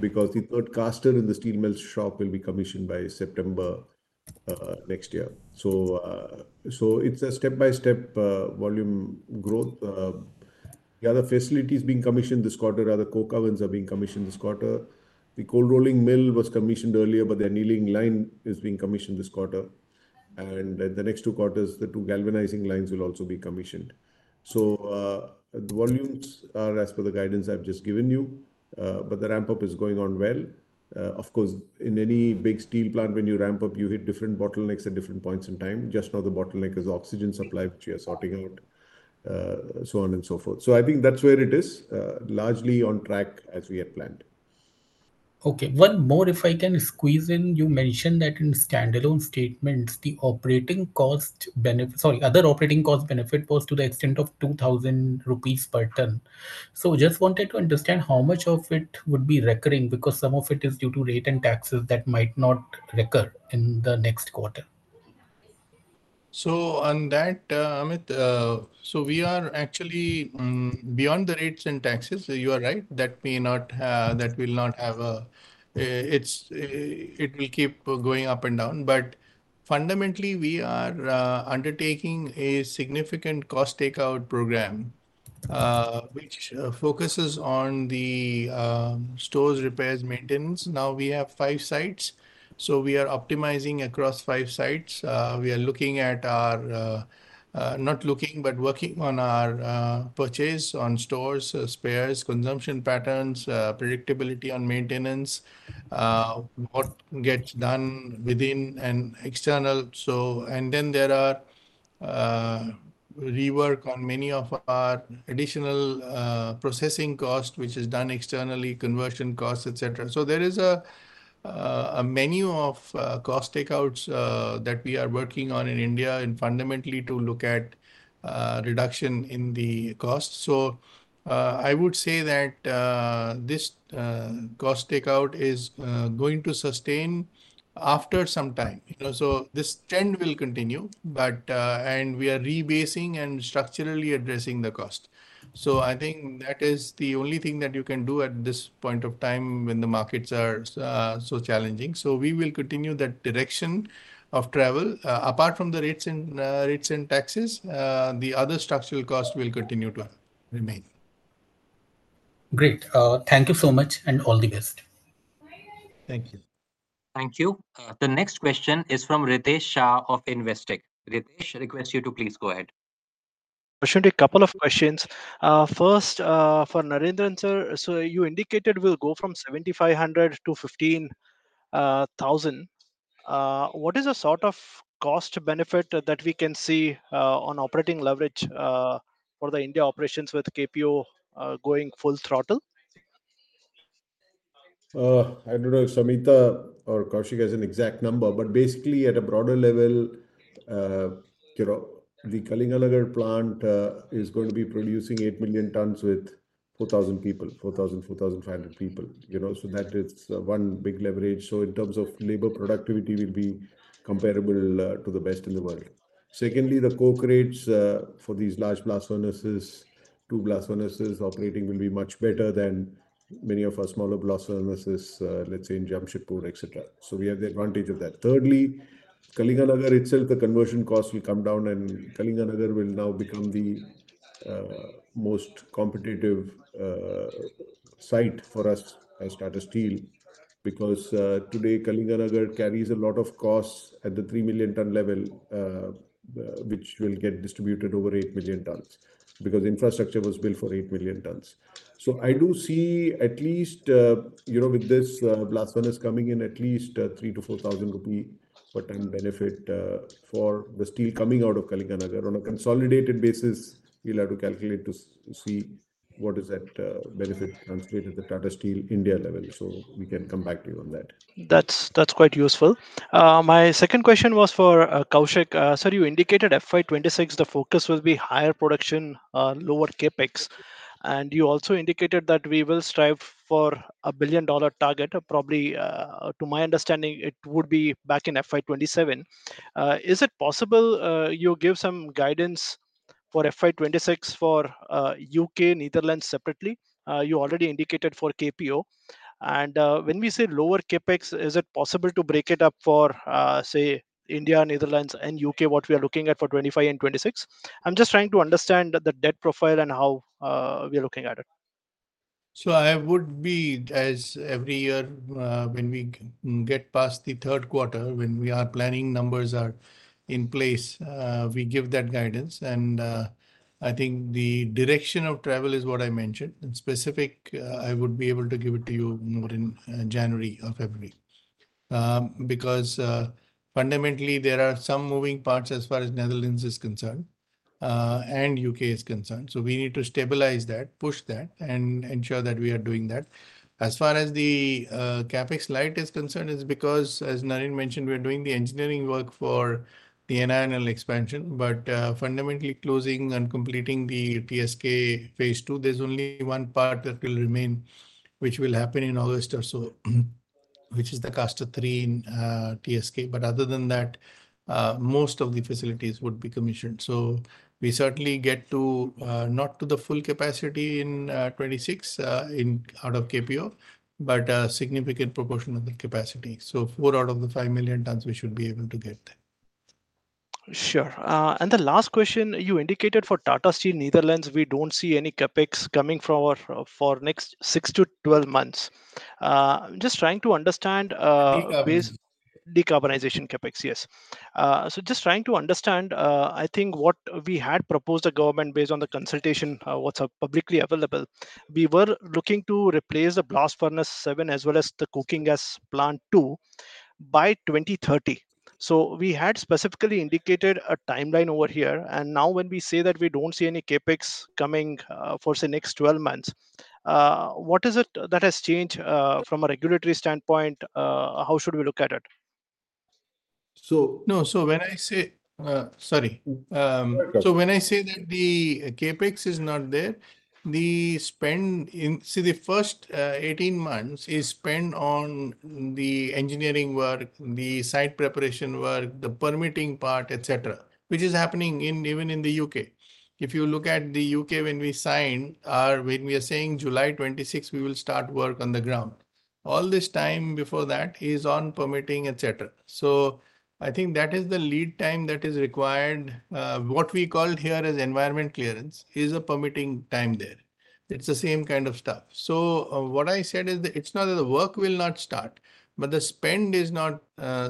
because the third caster in the steel mill shop will be commissioned by September next year. So it's a step-by-step volume growth. The other facilities being commissioned this quarter are the coke ovens that are being commissioned this quarter. The cold rolling mill was commissioned earlier, but the annealing line is being commissioned this quarter. In the next two quarters, the two galvanizing lines will also be commissioned. The volumes are as per the guidance I've just given you. The ramp-up is going on well. Of course, in any big steel plant, when you ramp up, you hit different bottlenecks at different points in time. Just now, the bottleneck is oxygen supply, which we are sorting out, so on and so forth. I think that's where it is, largely on track as we had planned. Okay. One more, if I can squeeze in, you mentioned that in standalone statements, the operating cost benefit, sorry, other operating cost benefit was to the extent of 2,000 rupees per ton. Just wanted to understand how much of it would be recurring because some of it is due to rate and taxes that might not recur in the next quarter. On that, Amit, we are actually beyond the rates and taxes. You are right that we will not have a; it will keep going up and down. But fundamentally, we are undertaking a significant cost takeout program, which focuses on the stores, repairs, maintenance. Now we have five sites. So we are optimizing across five sites. We are looking at our, not looking, but working on our purchase on stores, spares, consumption patterns, predictability on maintenance, what gets done within and external. And then there are rework on many of our additional processing costs, which is done externally, conversion costs, etc. There is a menu of cost takeouts that we are working on in India and fundamentally to look at reduction in the cost. So I would say that this cost takeout is going to sustain after some time. So this trend will continue, but we are rebasing and structurally addressing the cost. So I think that is the only thing that you can do at this point of time when the markets are so challenging. So we will continue that direction of travel. Apart from the rates and taxes, the other structural costs will continue to remain. Great. Thank you so much and all the best. Thank you. Thank you. The next question is from Ritesh Shah of Investec. Ritesh, I request you to please go ahead. [Koushik] a couple of questions. First, for Narendran sir, so you indicated we'll go from 7,500 to 15,000. What is the sort of cost benefit that we can see on operating leverage for the India operations with KPO going full throttle? I don't know if Samita or Koushik has an exact number, but basically at a broader level, the Kalinganagar plant is going to be producing 8 million tons with 4,000 to 4,500 people. So that is one big leverage. So in terms of labor productivity, it will be comparable to the best in the world. Secondly, the coal rates for these large blast furnaces, two blast furnaces operating will be much better than many of our smaller blast furnaces, let's say in Jamshedpur, etc. So we have the advantage of that. Thirdly, Kalinganagar itself, the conversion cost will come down and Kalinganagar will now become the most competitive site for us as Tata Steel because today Kalinganagar carries a lot of costs at the 3 million ton level, which will get distributed over 8 million tons because infrastructure was built for 8 million tons. So I do see at least with this blast furnace coming in at least 3,000-4,000 rupee per ton benefit for the steel coming out of Kalinganagar. On a consolidated basis, we'll have to calculate to see what is that benefit translated to Tata Steel India level. So we can come back to you on that. That's quite useful. My second question was for Koushik. So you indicated FY26, the focus will be higher production, lower CapEx. And you also indicated that we will strive for a billion-dollar target. Probably to my understanding, it would be back in FY27. Is it possible you give some guidance for FY26 for U.K., Netherlands separately? You already indicated for KPO. And when we say lower CapEx, is it possible to break it up for, say, India, Netherlands, and U.K., what we are looking at for 25 and 26? I'm just trying to understand the debt profile and how we are looking at it. So I would be, as every year when we get past the Q3, when we are planning numbers are in place, we give that guidance. And I think the direction of travel is what I mentioned. And specific, I would be able to give it to you more in January or February because fundamentally there are some moving parts as far as Netherlands is concerned and U.K. is concerned. So we need to stabilize that, push that, and ensure that we are doing that. As far as the CapEx light is concerned, it's because, as Narendran mentioned, we are doing the engineering work for the NINL expansion. But fundamentally closing and completing the TSK phase two, there's only one part that will remain, which will happen in August or so, which is the caster three in TSK. But other than that, most of the facilities would be commissioned. So we certainly get to not to the full capacity in 2026 out of KPO, but a significant proportion of the capacity. So four out of the five million tons, we should be able to get there. Sure. And the last question, you indicated for Tata Steel Netherlands, we don't see any CapEx coming for next 6 to 12 months. I'm just trying to understand. [Decarbonization]? Decarbonization CapEx, yes. So just trying to understand, I think what we had proposed the government based on the consultation, what's publicly available, we were looking to replace the blast furnace seven as well as the coke oven plant two by 2030. So we had specifically indicated a timeline over here. And now when we say that we don't see any CapEx coming for the next 12 months, what is it that has changed from a regulatory standpoint? How should we look at it? So no, so when I say, sorry. So when I say that the CapEx is not there, the spend in, see the first 18 months is spent on the engineering work, the site preparation work, the permitting part, etc., which is happening even in the U.K. If you look at the U.K., when we sign, or when we are saying July 26, we will start work on the ground. All this time before that is on permitting, etc. So I think that is the lead time that is required. What we called here as environment clearance is a permitting time there. It's the same kind of stuff. So what I said is it's not that the work will not start, but the spend is not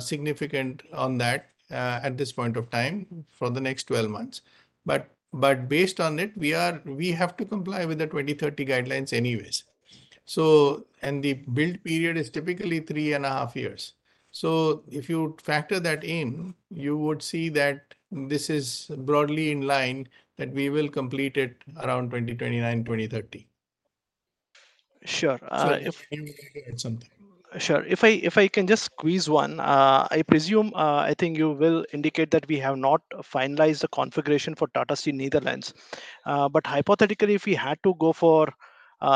significant on that at this point of time for the next 12 months. But based on it, we have to comply with the 2030 guidelines anyways. And the build period is typically three and a half years. So if you factor that in, you would see that this is broadly in line that we will complete it around 2029, 2030. Sure. Sure. If I can just squeeze one, I presume I think you will indicate that we have not finalized the configuration for Tata Steel Netherlands. Hypothetically, if we had to go for,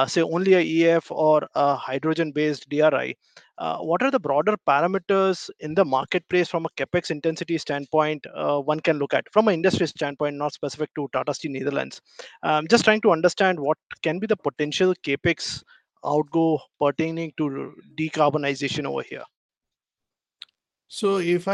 say, only an EF or a hydrogen-based DRI, what are the broader parameters in the marketplace from a CapEx intensity standpoint one can look at from an industry standpoint, not specific to Tata Steel Netherlands? I'm just trying to understand what can be the potential CapEx outgo pertaining to decarbonization over here. If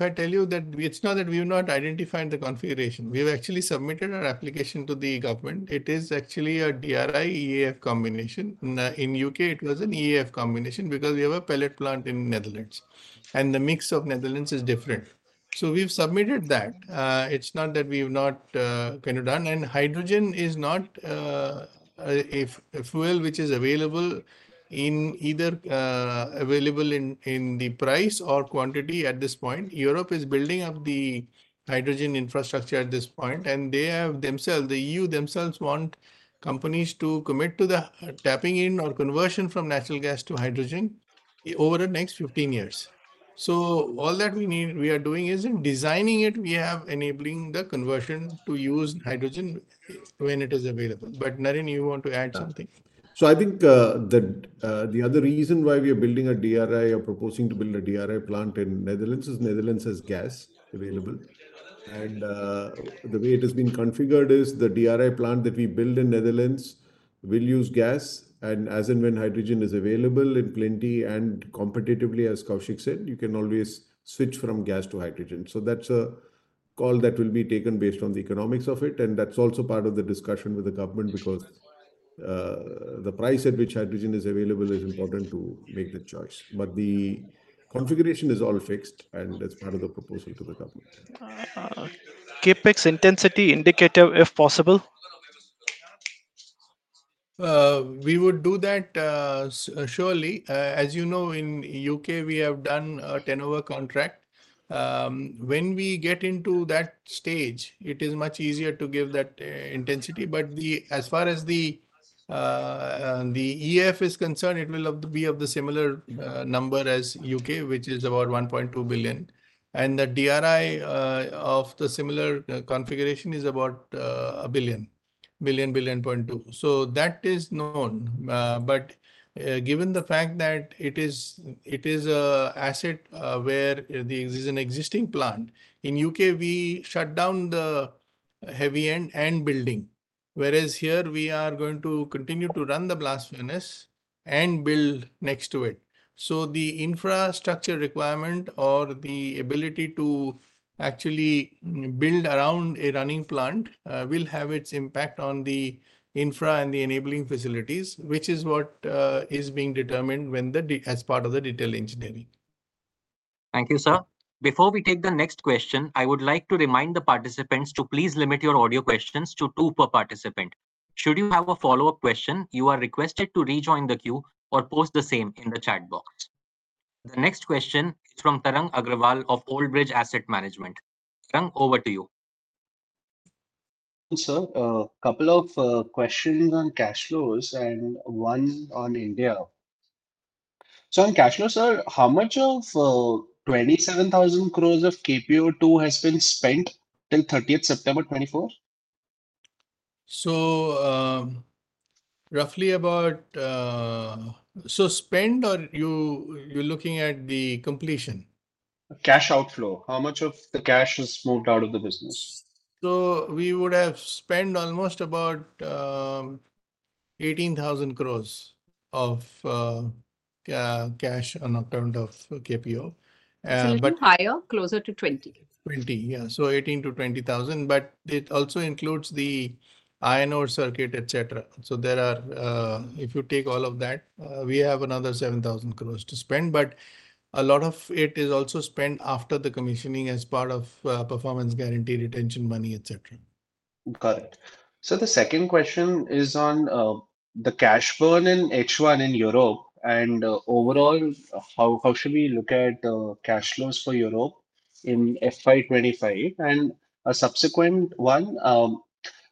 I tell you that it's not that we have not identified the configuration. We have actually submitted our application to the government. It is actually a DRI, EF combination. In the U.K., it was an EF combination because we have a pellet plant in Netherlands. And the mix of Netherlands is different. So we've submitted that. It's not that we have not kind of done. And hydrogen is not a fuel which is available in either the price or quantity at this point. Europe is building up the hydrogen infrastructure at this point. And they have themselves, the EU themselves want companies to commit to the tapping in or conversion from natural gas to hydrogen over the next 15 years. So all that we are doing is in designing it, we have enabling the conversion to use hydrogen when it is available. But Narendran, you want to add something? So I think that the other reason why we are building a DRI or proposing to build a DRI plant in Netherlands is Netherlands has gas available. And the way it has been configured is the DRI plant that we build in Netherlands will use gas. As and when hydrogen is available in plenty and competitively, as Koushik said, you can always switch from gas to hydrogen. So that's a call that will be taken based on the economics of it. And that's also part of the discussion with the government because the price at which hydrogen is available is important to make the choice. But the configuration is all fixed and that's part of the proposal to the government. CapEx intensity indicator, if possible? We would do that surely. As you know, in the U.K., we have done a Tenova contract. When we get into that stage, it is much easier to give that intensity. But as far as the EF is concerned, it will be of the similar number as the U.K., which is about 1.2 billion. And the DRI of the similar configuration is about 1 billion, 1 billion, 1.2 billion. So that is known. But given the fact that it is an asset where there is an existing plant, in U.K., we shut down the heavy end and building. Whereas here, we are going to continue to run the blast furnace and build next to it. So the infrastructure requirement or the ability to actually build around a running plant will have its impact on the infra and the enabling facilities, which is what is being determined as part of the detailed engineering. Thank you, sir. Before we take the next question, I would like to remind the participants to please limit your audio questions to two per participant. Should you have a follow-up question, you are requested to rejoin the queue or post the same in the chat box. The next question is from Tarang Agrawal of Old Bridge Asset Management. Tarang, over to you. Sir, a couple of questions on cash flows and one on India. So on cash flows, sir, how much of 27,000 crores of KPO2 has been spent till 30th September 2024? So roughly about, so spend or you're looking at the completion? Cash outflow. How much of the cash is moved out of the business? So we would have spent almost about 18,000 crores of cash on account of KPO. A bit higher, closer to 20? 20, yeah. So 18,000-20,000, but it also includes the iron ore circuit, etc. So there are, if you take all of that, we have another 7,000 crores to spend, but a lot of it is also spent after the commissioning as part of performance guarantee retention money, etc. Got it. The second question is on the cash burn in H1 in Europe and overall. How should we look at cash flows for Europe in FY25 and a subsequent one?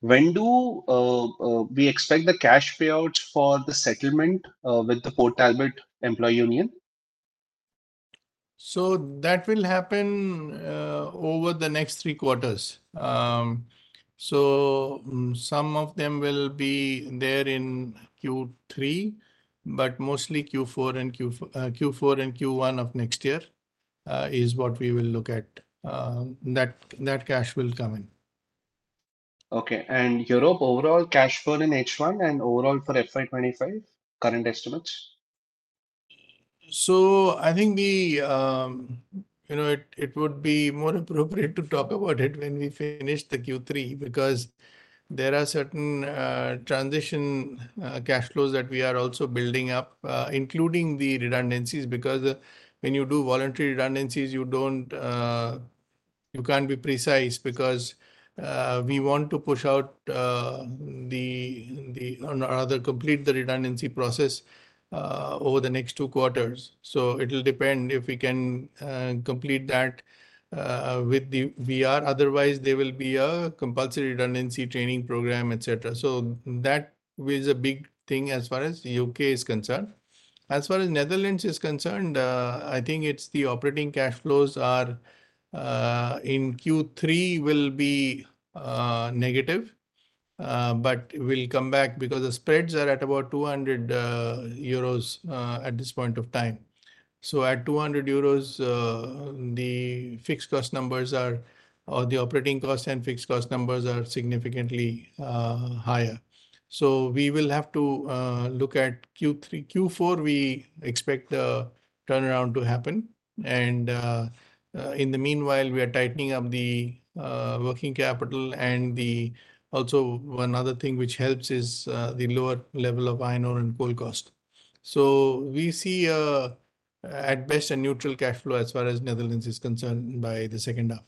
When do we expect the cash payouts for the settlement with the Port Talbot Employee Union? So that will happen over the next three quarters. So some of them will be there in Q3, but mostly Q4 and Q1 of next year is what we will look at. That cash will come in. Okay. And Europe overall cash burn in H1 and overall for FY25? Current estimates? So I think it would be more appropriate to talk about it when we finish the Q3 because there are certain transition cash flows that we are also building up, including the redundancies because when you do voluntary redundancies, you can't be precise because we want to push out the other complete the redundancy process over the next two quarters. So it'll depend if we can complete that with the VR. Otherwise, there will be a compulsory redundancy training program, etc. So that is a big thing as far as U.K. is concerned. As far as Netherlands is concerned, I think it's the operating cash flows are in Q3 will be negative, but will come back because the spreads are at about 200 euros at this point of time. So at 200 euros, the fixed cost numbers are or the operating cost and fixed cost numbers are significantly higher. So we will have to look at Q3. Q4, we expect the turnaround to happen. And in the meanwhile, we are tightening up the working capital. And also one other thing which helps is the lower level of iron ore and coal cost. So we see at best a neutral cash flow as far as Netherlands is concerned by the H2.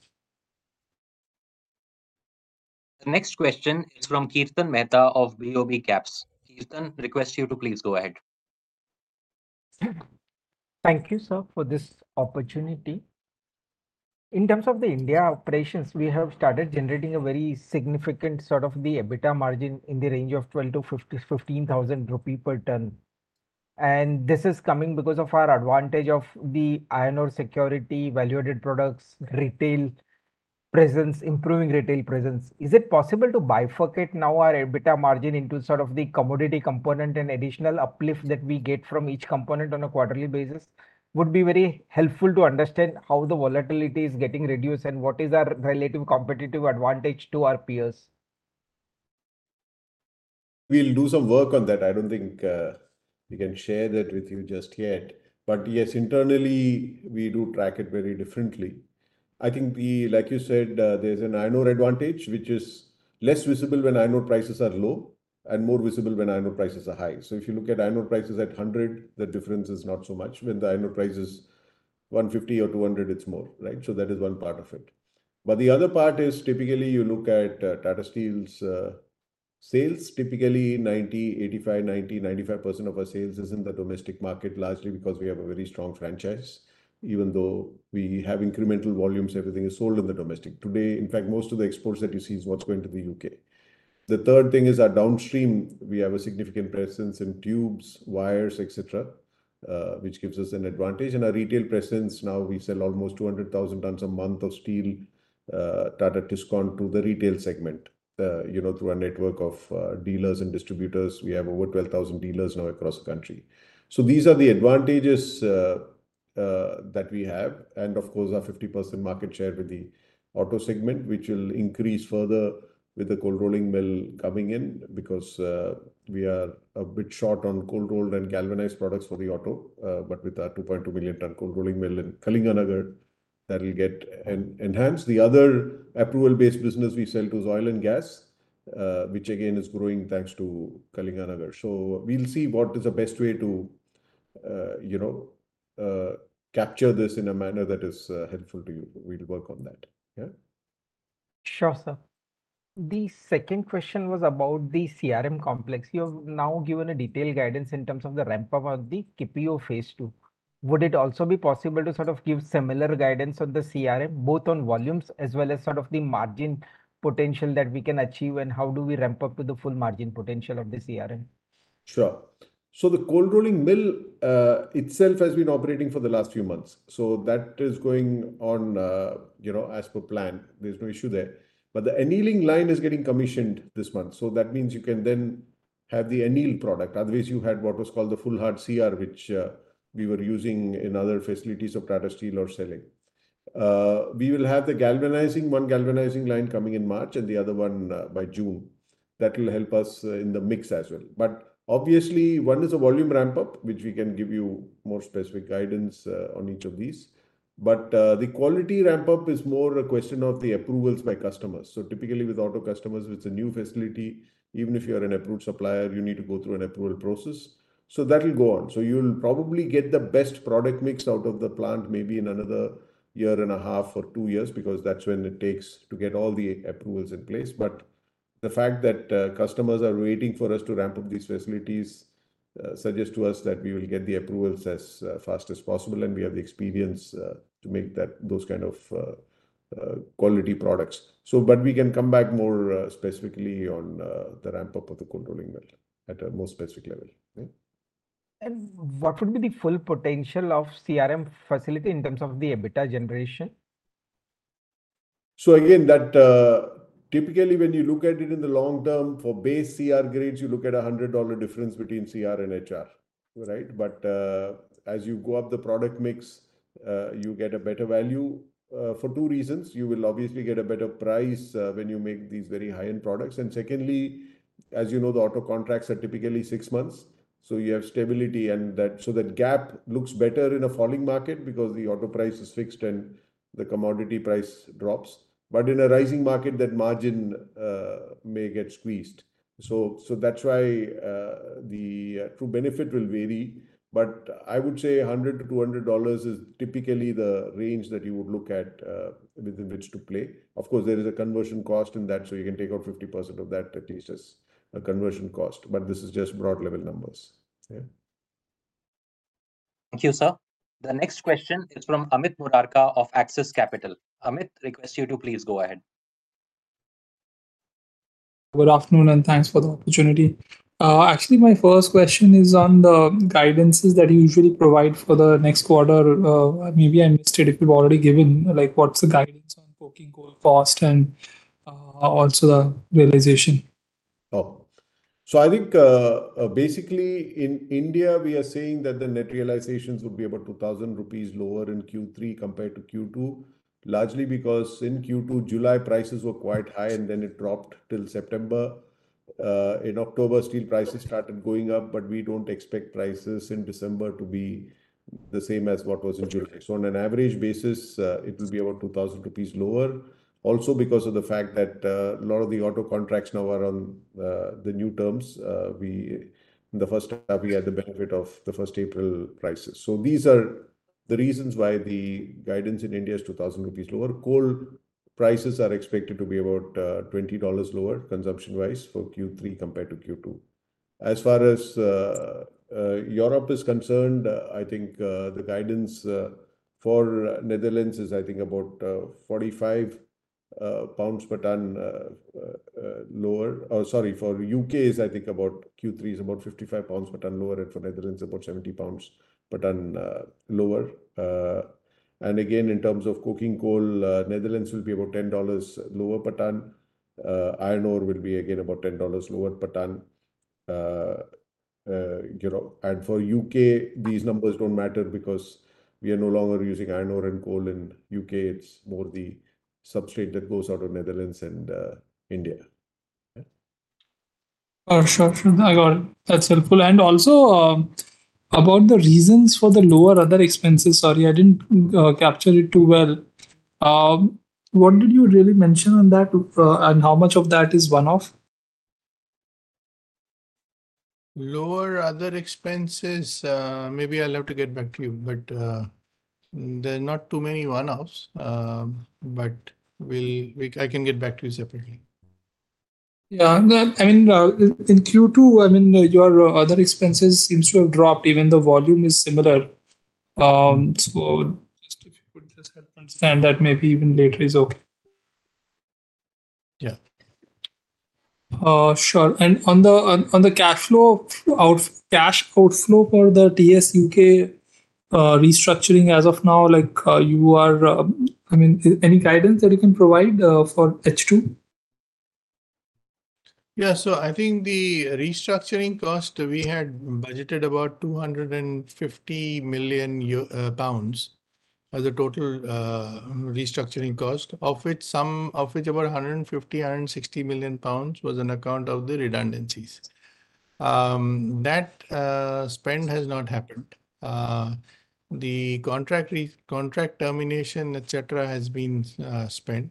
The next question is from Kirtan Mehta of BOB Caps. Kirtan, request you to please go ahead. Thank you, sir, for this opportunity. In terms of the India operations, we have started generating a very significant sort of the EBITDA margin in the range of 12,000-15,000 rupee per tonne. And this is coming because of our advantage of the iron ore security, value-added products, retail presence, improving retail presence. Is it possible to bifurcate now our EBITDA margin into sort of the commodity component and additional uplift that we get from each component on a quarterly basis? It would be very helpful to understand how the volatility is getting reduced and what is our relative competitive advantage to our peers. We'll do some work on that. I don't think we can share that with you just yet. But yes, internally, we do track it very differently. I think, like you said, there's an iron ore advantage, which is less visible when iron ore prices are low and more visible when iron ore prices are high. So if you look at iron ore prices at 100, the difference is not so much. When the iron ore price is 150 or 200, it's more, right? So that is one part of it. But the other part is typically you look at Tata Steel's sales, typically 90%, 85%, 90%, 95% of our sales is in the domestic market, largely because we have a very strong franchise, even though we have incremental volumes, everything is sold in the domestic. Today, in fact, most of the exports that you see is what's going to the U.K. The third thing is our downstream, we have a significant presence in tubes, wires, etc., which gives us an advantage. And our retail presence, now we sell almost 200,000 tons a month of steel, Tata Tiscon to the retail segment through our network of dealers and distributors. We have over 12,000 dealers now across the country. So these are the advantages that we have. Of course, our 50% market share with the auto segment, which will increase further with the coal rolling mill coming in because we are a bit short on coal rolled and galvanized products for the auto, but with our 2.2 million ton cold rolling mill in Kalinganagar, that will get enhanced. The other approval-based business we sell to is oil and gas, which again is growing thanks to Kalinganagar. So we'll see what is the best way to capture this in a manner that is helpful to you. We'll work on that. Yeah? Sure, sir. The second question was about the CRM complex. You have now given a detailed guidance in terms of the ramp-up of the KPO phase two. Would it also be possible to sort of give similar guidance on the CRM, both on volumes as well as sort of the margin potential that we can achieve, and how do we ramp up to the full margin potential of the CRM? Sure. So the cold rolling mill itself has been operating for the last few months. So that is going on as per plan. There's no issue there. But the annealing line is getting commissioned this month. So that means you can then have the annealed product. Otherwise, you had what was called the full hard CR, which we were using in other facilities of Tata Steel or selling. We will have the galvanizing, one galvanizing line coming in March and the other one by June. That will help us in the mix as well. But obviously, one is a volume ramp-up, which we can give you more specific guidance on each of these. But the quality ramp-up is more a question of the approvals by customers. So typically with auto customers, it's a new facility. Even if you're an approved supplier, you need to go through an approval process. So that will go on. So you'll probably get the best product mix out of the plant maybe in another year and a half or two years because that's when it takes to get all the approvals in place. But the fact that customers are waiting for us to ramp up these facilities suggests to us that we will get the approvals as fast as possible. And we have the experience to make those kind of quality products. But we can come back more specifically on the ramp-up of the cold rolling mill at a more specific level. And what would be the full potential of CRM facility in terms of the EBITDA generation? So again, typically when you look at it in the long term for base CR grades, you look at a $100 difference between CR and HR, right? But as you go up the product mix, you get a better value for two reasons. You will obviously get a better price when you make these very high-end products. And secondly, as you know, the auto contracts are typically six months. So you have stability. And so that gap looks better in a falling market because the auto price is fixed and the commodity price drops. But in a rising market, that margin may get squeezed. So that's why the true benefit will vary. But I would say $100-$200 is typically the range that you would look at within which to play. Of course, there is a conversion cost in that. So you can take out 50% of that, at least as a conversion cost. But this is just broad level numbers. Thank you, sir. The next question is from Amit Murarka of Axis Capital. Amit, request you to please go ahead. Good afternoon and thanks for the opportunity. Actually, my first question is on the guidances that you usually provide for the next quarter. Maybe I missed it if you've already given what's the guidance on coking coal cost and also the realization. So I think basically in India, we are seeing that the net realizations would be about 2,000 rupees lower in Q3 compared to Q2, largely because in Q2, July prices were quite high and then it dropped till September. In October, steel prices started going up, but we don't expect prices in December to be the same as what was in July. So on an average basis, it will be about 2,000 rupees lower. Also because of the fact that a lot of the auto contracts now are on the new terms, in the H1, we had the benefit of the first April prices. So these are the reasons why the guidance in India is 2,000 rupees lower. Coal prices are expected to be about $20 lower consumption-wise for Q3 compared to Q2. As far as Europe is concerned, I think the guidance for Netherlands is, I think, about 45 pounds per ton lower. Or sorry, for U.K., I think about Q3 is about 55 pounds per ton lower and for Netherlands, about 70 pounds per ton lower. And again, in terms of coking coal, Netherlands will be about $10 lower per ton. Iron ore will be again about $10 lower per ton. And for U.K., these numbers don't matter because we are no longer using iron ore and coal in U.K. It's more the substrate that goes out of Netherlands and India. Sure, sure. I got it. That's helpful. And also about the reasons for the lower other expenses, sorry, I didn't capture it too well. What did you really mention on that and how much of that is one-off? Lower other expenses, maybe I'll have to get back to you, but there are not too many one-offs, but I can get back to you separately. Yeah. I mean, in Q2, I mean, your other expenses seem to have dropped. Even the volume is similar. So just if you could just help understand that maybe even later is okay. Yeah. Sure. And on the cash flow outflow for the TSUK restructuring as of now, you are, I mean, any guidance that you can provide for H2? Yeah. So I think the restructuring cost, we had budgeted about 250 million pounds as a total restructuring cost, of which about 150-160 million pounds was on account of the redundancies. That spend has not happened. The contract termination, etc., has been spent.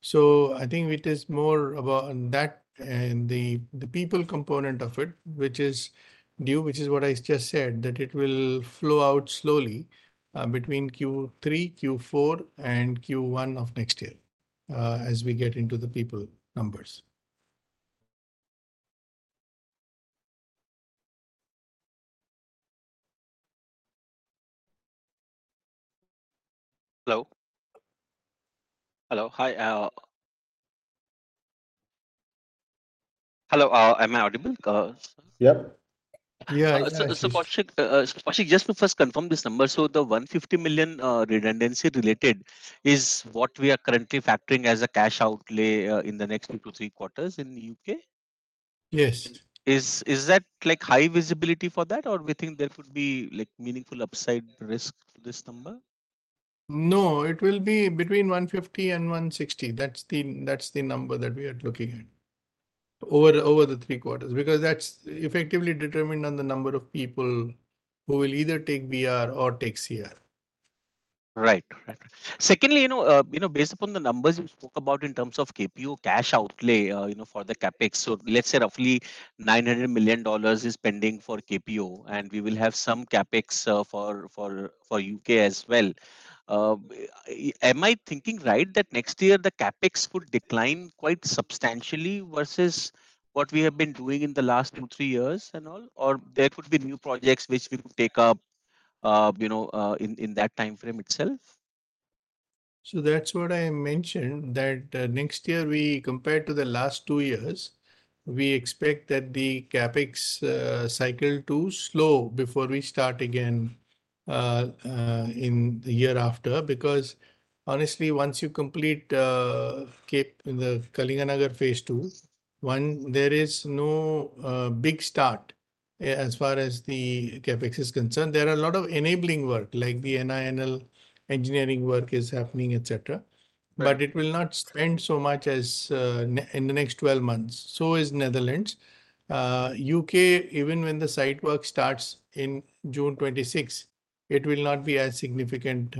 So I think it is more about that and the people component of it, which is due, which is what I just said, that it will flow out slowly between Q3, Q4, and Q1 of next year as we get into the people numbers. Hello. Hello. Hi. Hello. Am I audible? Yep. Yeah. Koushik, just to first confirm this number, so the 150 million redundancy related is what we are currently factoring as a cash outlay in the next two to three quarters in the U.K.? Yes. Is that high visibility for that, or do you think there could be meaningful upside risk for this number? No, it will be between 150 and 160. That's the number that we are looking at over the three quarters because that's effectively determined on the number of people who will either take VR or take CR. Right, right. Secondly, based upon the numbers you spoke about in terms of KPO cash outlay for the CapEx, so let's say roughly $900 million is pending for KPO, and we will have some CapEx for U.K. as well. Am I thinking right that next year the CapEx would decline quite substantially versus what we have been doing in the last two, three years and all, or there could be new projects which we could take up in that time frame itself? That's what I mentioned, that next year, compared to the last two years, we expect that the CapEx cycle to slow before we start again in the year after because honestly, once you complete Kalinganagar phase two, there is no big start as far as the CapEx is concerned. There are a lot of enabling work, like the NINL engineering work is happening, etc., but it will not spend so much in the next 12 months. So is Netherlands. U.K., even when the site work starts in June 2026, it will not be as significant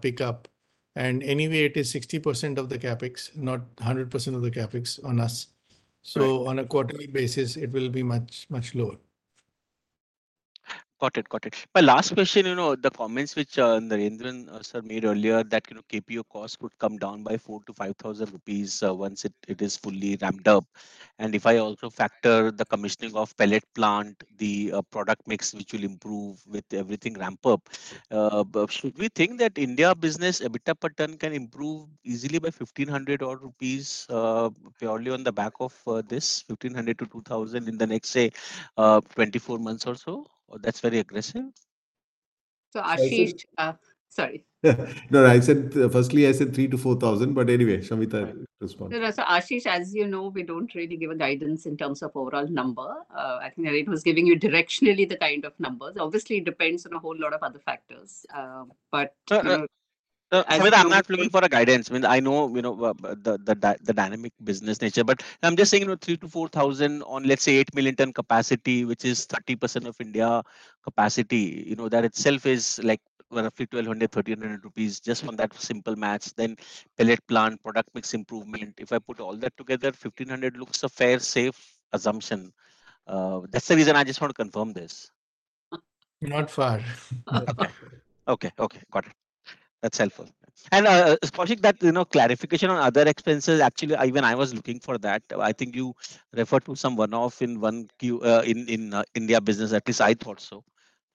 pickup. And anyway, it is 60% of the CapEx, not 100% of the CapEx on us. So on a quarterly basis, it will be much lower. Got it, got it. My last question, the comments which Narendran sir made earlier, that KPO cost would come down by 4,000- 5,000 once it is fully ramped up. And if I also factor the commissioning of pellet plant, the product mix, which will improve with everything ramp up, should we think that India business EBITDA per ton can improve easily by 1,500-odd rupees purely on the back of this 1,500-2,000 in the next, say, 24 months or so? That's very aggressive. So Ashish, sorry. No, I said firstly, I said three to four thousand, but anyway, Samita responded. So Ashish, as you know, we don't really give a guidance in terms of overall number. I think Narendran was giving you directionally the kind of numbers. Obviously, it depends on a whole lot of other factors. But... I'm not looking for a guidance. I mean, I know the dynamic business nature, but I'm just saying 3,000-4,000 on, let's say, 8 million ton capacity, which is 30% of India capacity. That itself is like roughly 1,200-1,300 rupees just on that simple match. Then pellet plant, product mix improvement. If I put all that together, 1,500 looks a fair, safe assumption. That's the reason I just want to confirm this. Not far. Okay, okay. Got it. That's helpful. And Koushik, that clarification on other expenses, actually, even I was looking for that. I think you referred to some one-off in India business, at least I thought so.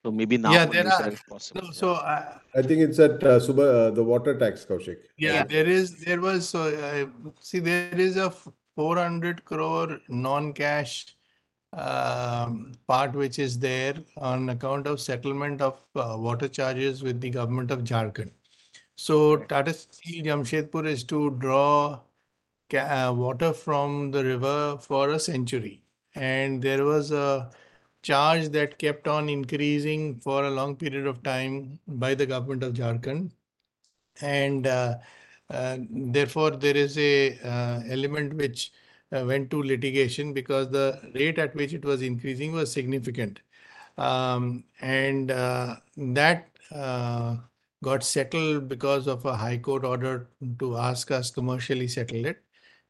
So maybe now it's possible. Yeah, there are. So I think it's at the water tax, Koushik. Yeah, there is. There was, so see, there is an 400 crore non-cash part, which is there on account of settlement of water charges with the government of Jharkhand. So Tata Steel Jamshedpur is to draw water from the river for a century. And there was a charge that kept on increasing for a long period of time by the government of Jharkhand. And therefore, there is an element which went to litigation because the rate at which it was increasing was significant. And that got settled because of a High Court order to ask us to commercially settle it.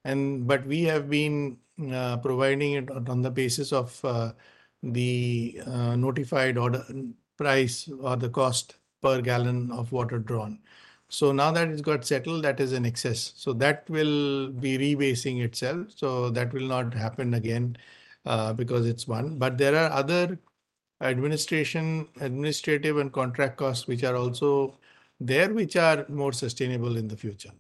But we have been providing it on the basis of the notified order price or the cost per gallon of water drawn. So now that it's got settled, that is in excess. So that will be rebasing itself. So that will not happen again because it's one. But there are other administration administrative and contract costs which are also there, which are more sustainable in the future.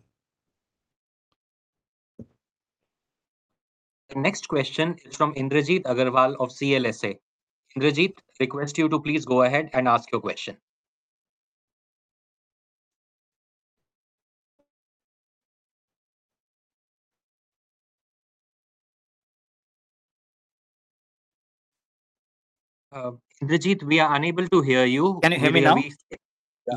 The next question is from Indrajit Agarwal of CLSA. Indrajit, request you to please go ahead and ask your question. Indrajit, we are unable to hear you. Can you hear me now?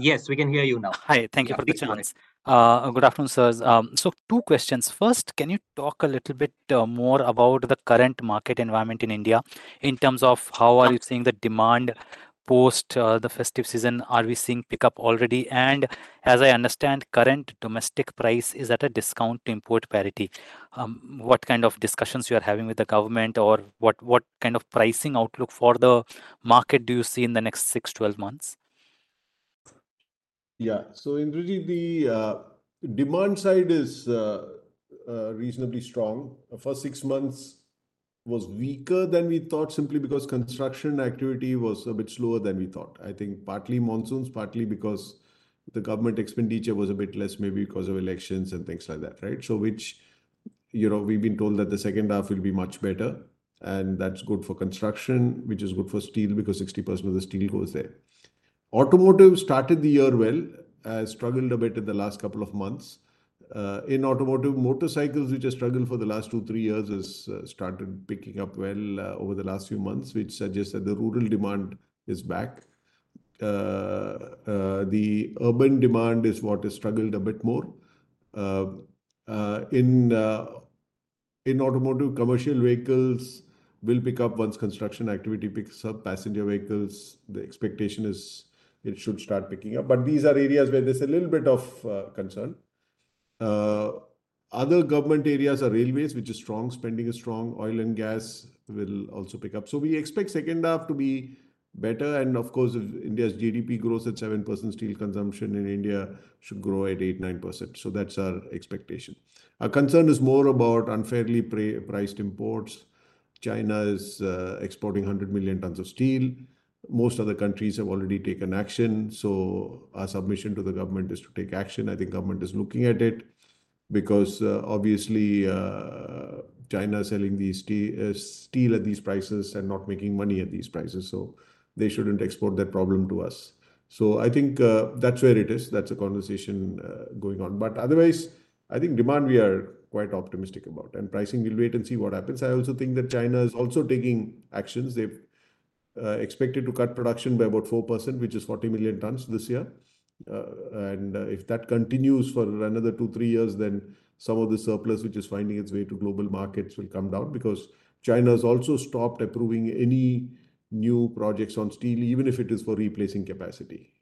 Yes, we can hear you now. Hi. Thank you for the chance. Good afternoon, sir. So two questions. First, can you talk a little bit more about the current market environment in India in terms of how are you seeing the demand post the festive season? Are we seeing pickup already? And as I understand, current domestic price is at a discount to import parity. What kind of discussions you are having with the government or what kind of pricing outlook for the market do you see in the next 6-12 months? Yeah. So Indrajit, the demand side is reasonably strong. For six months, it was weaker than we thought simply because construction activity was a bit slower than we thought. I think partly monsoons, partly because the government expenditure was a bit less, maybe because of elections and things like that, right? So which we've been told that the H2 will be much better. And that's good for construction, which is good for steel because 60% of the steel goes there. Automotive started the year well. I struggled a bit in the last couple of months. In automotive, motorcycles, which I struggled for the last two, three years, has started picking up well over the last few months, which suggests that the rural demand is back. The urban demand is what has struggled a bit more. In automotive, commercial vehicles will pick up once construction activity picks up. Passenger vehicles, the expectation is it should start picking up, but these are areas where there's a little bit of concern. Other government areas are railways, which is strong. Spending is strong. Oil and gas will also pick up. So we expect H2 to be better. And of course, if India's GDP grows at 7%, steel consumption in India should grow at 8%-9%. So that's our expectation. Our concern is more about unfairly priced imports. China is exporting 100 million tons of steel. Most other countries have already taken action. So our submission to the government is to take action. I think government is looking at it because obviously, China is selling steel at these prices and not making money at these prices. So they shouldn't export that problem to us. So I think that's where it is. That's a conversation going on. But otherwise, I think demand we are quite optimistic about. And pricing, we'll wait and see what happens. I also think that China is also taking actions. They've expected to cut production by about 4%, which is 40 million tons this year. And if that continues for another two, three years, then some of the surplus, which is finding its way to global markets, will come down because China has also stopped approving any new projects on steel, even if it is for replacing capacity.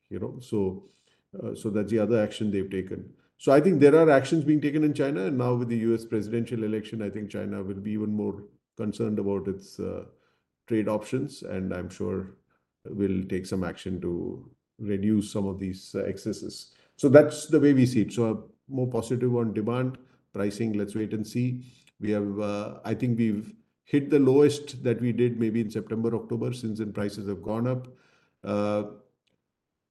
So that's the other action they've taken. So I think there are actions being taken in China. And now with the U.S. presidential election, I think China will be even more concerned about its trade options. And I'm sure we'll take some action to reduce some of these excesses. So that's the way we see it. So more positive on demand, pricing, let's wait and see. I think we've hit the lowest that we did maybe in September, October since prices have gone up.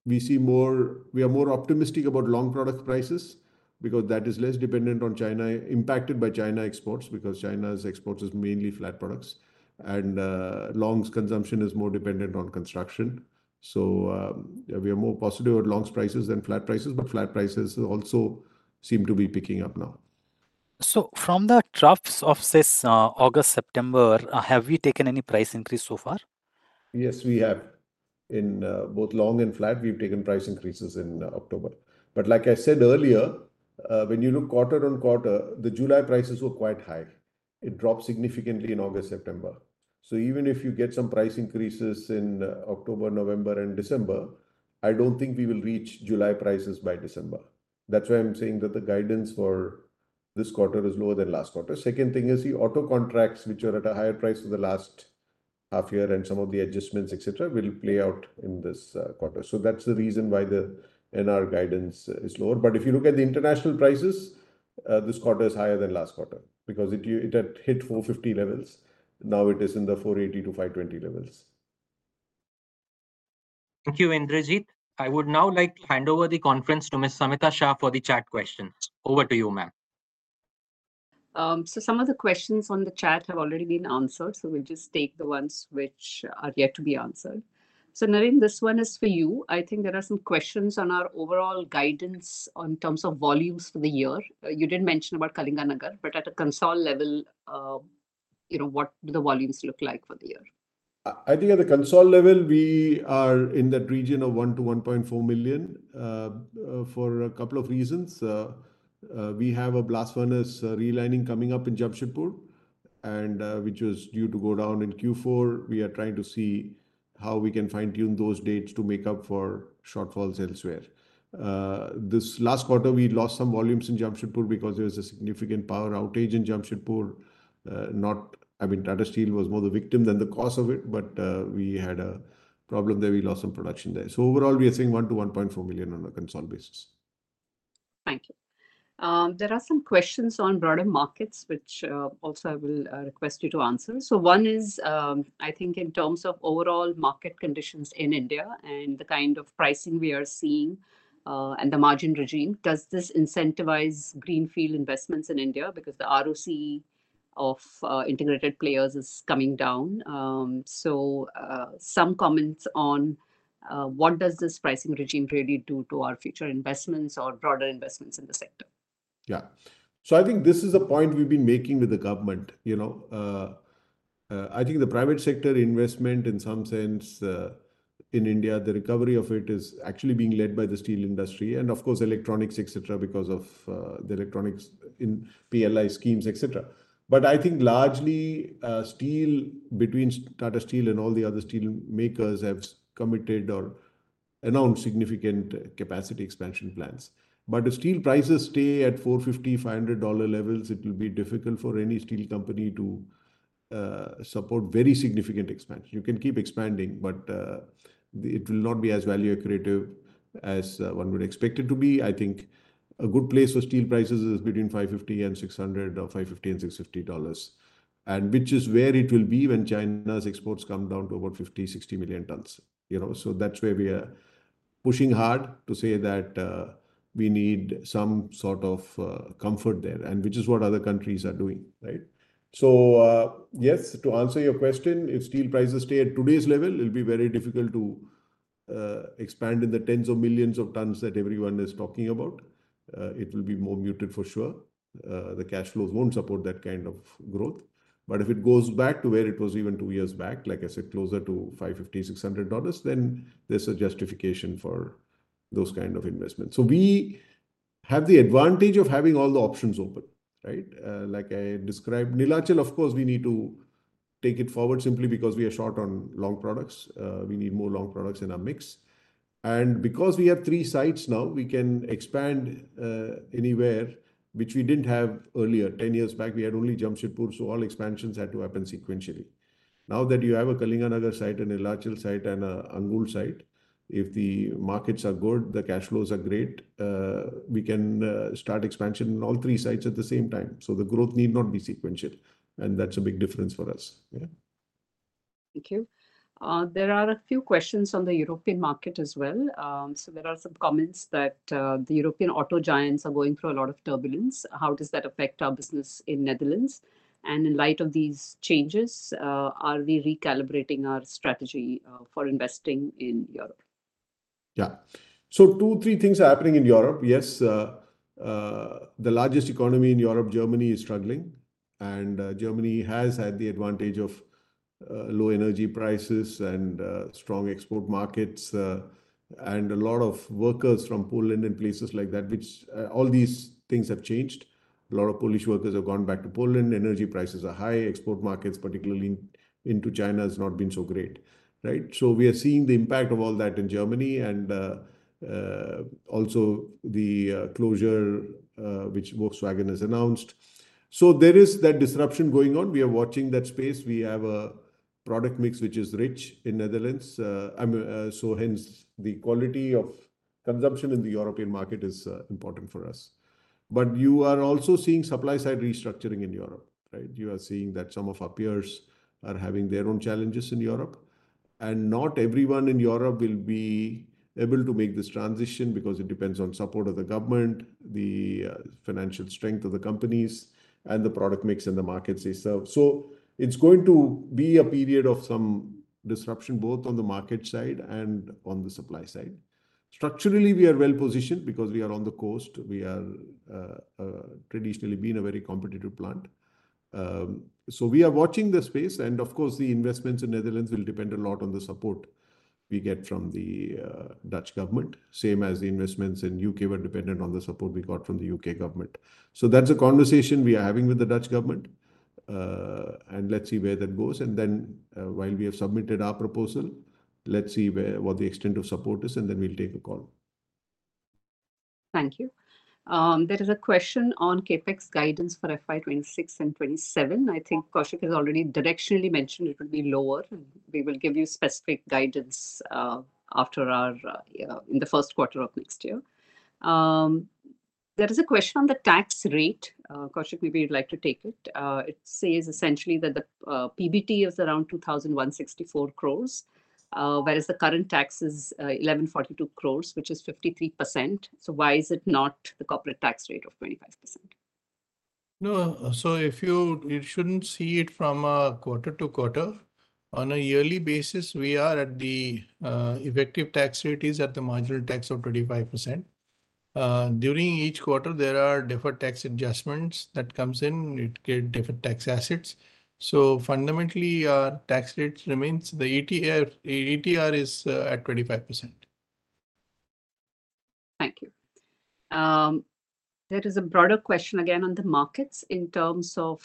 We are more optimistic about long product prices because that is less dependent on China, impacted by China exports because China's exports are mainly flat products. And longs consumption is more dependent on construction. So we are more positive on longs prices than flat prices, but flat prices also seem to be picking up now. So from the troughs of this August, September, have we taken any price increase so far? Yes, we have. In both long and flat, we've taken price increases in October. But like I said earlier, when you look quarter on quarter, the July prices were quite high. It dropped significantly in August, September. So even if you get some price increases in October, November, and December, I don't think we will reach July prices by December. That's why I'm saying that the guidance for this quarter is lower than last quarter. Second thing is the auto contracts, which are at a higher price for the last half year and some of the adjustments, etc., will play out in this quarter. So that's the reason why the NR guidance is lower. But if you look at the international prices, this quarter is higher than last quarter because it had hit 450 levels. Now it is in the 480-520 levels. Thank you, Indrajit. I would now like to hand over the conference to Ms. Samita Shah for the chat questions. Over to you, ma'am. Some of the questions on the chat have already been answered. We'll just take the ones which are yet to be answered. Narendran, this one is for you. I think there are some questions on our overall guidance in terms of volumes for the year. You did mention about Kalinganagar, but at a consolidated level, what do the volumes look like for the year? I think at the consolidated level, we are in that region of one to 1.4 million for a couple of reasons. We have a blast furnace relining coming up in Jamshedpur, which was due to go down in Q4. We are trying to see how we can fine-tune those dates to make up for shortfalls elsewhere. This last quarter, we lost some volumes in Jamshedpur because there was a significant power outage in Jamshedpur. I mean, Tata Steel was more the victim than the cause of it, but we had a problem there. We lost some production there. So overall, we are seeing one to 1.4 million on a consolidated basis. Thank you. There are some questions on broader markets, which also I will request you to answer. So one is, I think in terms of overall market conditions in India and the kind of pricing we are seeing and the margin regime, does this incentivize greenfield investments in India? Because the ROC of integrated players is coming down. So some comments on what does this pricing regime really do to our future investments or broader investments in the sector? Yeah. So I think this is a point we've been making with the government. I think the private sector investment in some sense in India, the recovery of it is actually being led by the steel industry and of course, electronics, etc., because of the electronics in PLI schemes, etc. But I think largely steel between Tata Steel and all the other steel makers have committed or announced significant capacity expansion plans. But if steel prices stay at $450-$500 levels, it will be difficult for any steel company to support very significant expansion. You can keep expanding, but it will not be as value accurate as one would expect it to be. I think a good place for steel prices is between $550 and $600 or $550 and $650 dollars, which is where it will be when China's exports come down to about 50-60 million tons. So that's where we are pushing hard to say that we need some sort of comfort there, which is what other countries are doing. So yes, to answer your question, if steel prices stay at today's level, it'll be very difficult to expand in the tens of millions of tons that everyone is talking about. It will be more muted for sure. The cash flows won't support that kind of growth. But if it goes back to where it was even two years back, like I said, closer to $550-$600, then there's a justification for those kinds of investments. So we have the advantage of having all the options open, right? Like I described, Neelachal, of course, we need to take it forward simply because we are short on long products. We need more long products in our mix. And because we have three sites now, we can expand anywhere, which we didn't have earlier. Ten years back, we had only Jamshedpur. So all expansions had to happen sequentially. Now that you have a Kalinganagar site, a Neelachal site, and an Angul site, if the markets are good, the cash flows are great, we can start expansion in all three sites at the same time. So the growth need not be sequential. And that's a big difference for us. Thank you. There are a few questions on the European market as well. So there are some comments that the European auto giants are going through a lot of turbulence. How does that affect our business in Netherlands? And in light of these changes, are we recalibrating our strategy for investing in Europe? Yeah. So two, three things are happening in Europe. Yes. The largest economy in Europe, Germany, is struggling. And Germany has had the advantage of low energy prices and strong export markets and a lot of workers from Poland and places like that, which all these things have changed. A lot of Polish workers have gone back to Poland. Energy prices are high. Export markets, particularly into China, have not been so great. So we are seeing the impact of all that in Germany and also the closure which Volkswagen has announced. So there is that disruption going on. We are watching that space. We have a product mix which is rich in Netherlands. So hence, the quality of consumption in the European market is important for us. But you are also seeing supply-side restructuring in Europe. You are seeing that some of our peers are having their own challenges in Europe. And not everyone in Europe will be able to make this transition because it depends on support of the government, the financial strength of the companies, and the product mix and the markets they serve. So it's going to be a period of some disruption both on the market side and on the supply side. Structurally, we are well positioned because we are on the coast. We have traditionally been a very competitive plant. So we are watching the space. And of course, the investments in Netherlands will depend a lot on the support we get from the Dutch government, same as the investments in the U.K. were dependent on the support we got from the U.K. government. So that's a conversation we are having with the Dutch government. And let's see where that goes. Then while we have submitted our proposal, let's see what the extent of support is, and then we'll take a call. Thank you. There is a question on CapEx guidance for FY26 and 27. I think Koushik has already directionally mentioned it will be lower. We will give you specific guidance in the Q1 of next year. There is a question on the tax rate. Koushik, maybe you'd like to take it. It says essentially that the PBT is around 2,164 crores, whereas the current tax is 1,142 crores, which is 53%. So why is it not the corporate tax rate of 25%? No. So if you shouldn't see it from a quarter to quarter. On a yearly basis, we are at the effective tax rate is at the marginal tax of 25%. During each quarter, there are different tax adjustments that come in. It gets different tax assets. So fundamentally, our tax rate remains. The ETR is at 25%. Thank you. There is a broader question again on the markets in terms of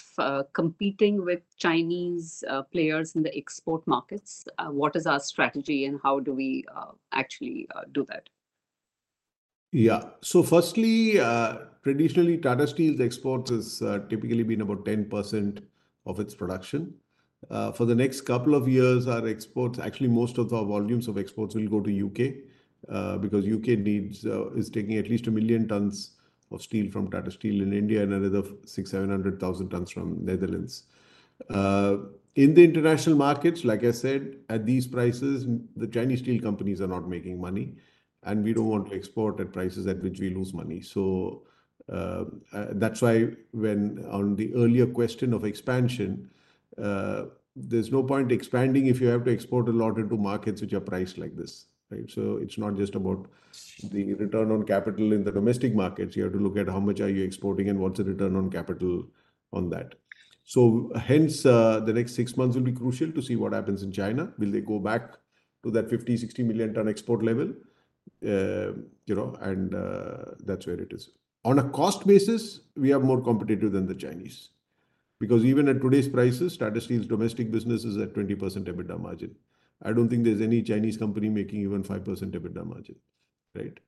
competing with Chinese players in the export markets. What is our strategy and how do we actually do that? Yeah. So firstly, traditionally, Tata Steel's exports have typically been about 10% of its production. For the next couple of years, our exports, actually most of our volumes of exports will go to the U.K. because the U.K. is taking at least a million tons of steel from Tata Steel in India and another 6,000-7,000 tons from the Netherlands. In the international markets, like I said, at these prices, the Chinese steel companies are not making money. And we don't want to export at prices at which we lose money. That's why when on the earlier question of expansion, there's no point expanding if you have to export a lot into markets which are priced like this. It's not just about the return on capital in the domestic markets. You have to look at how much are you exporting and what's the return on capital on that. Hence, the next six months will be crucial to see what happens in China. Will they go back to that 50-60 million ton export level? And that's where it is. On a cost basis, we are more competitive than the Chinese because even at today's prices, Tata Steel's domestic business is at 20% EBITDA margin. I don't think there's any Chinese company making even 5% EBITDA margin.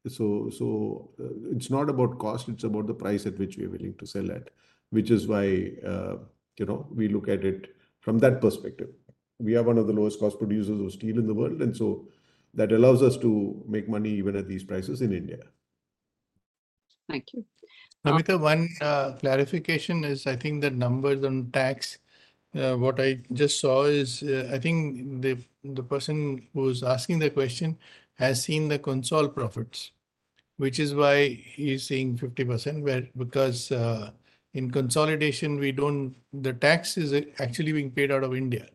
It's not about cost. It's about the price at which we are willing to sell at, which is why we look at it from that perspective. We are one of the lowest cost producers of steel in the world, and so that allows us to make money even at these prices in India. Thank you. Samita, one clarification is I think the numbers on tax, what I just saw is I think the person who's asking the question has seen the consolidated profits, which is why he's seeing 50% because in consolidation, the tax is actually being paid out of India.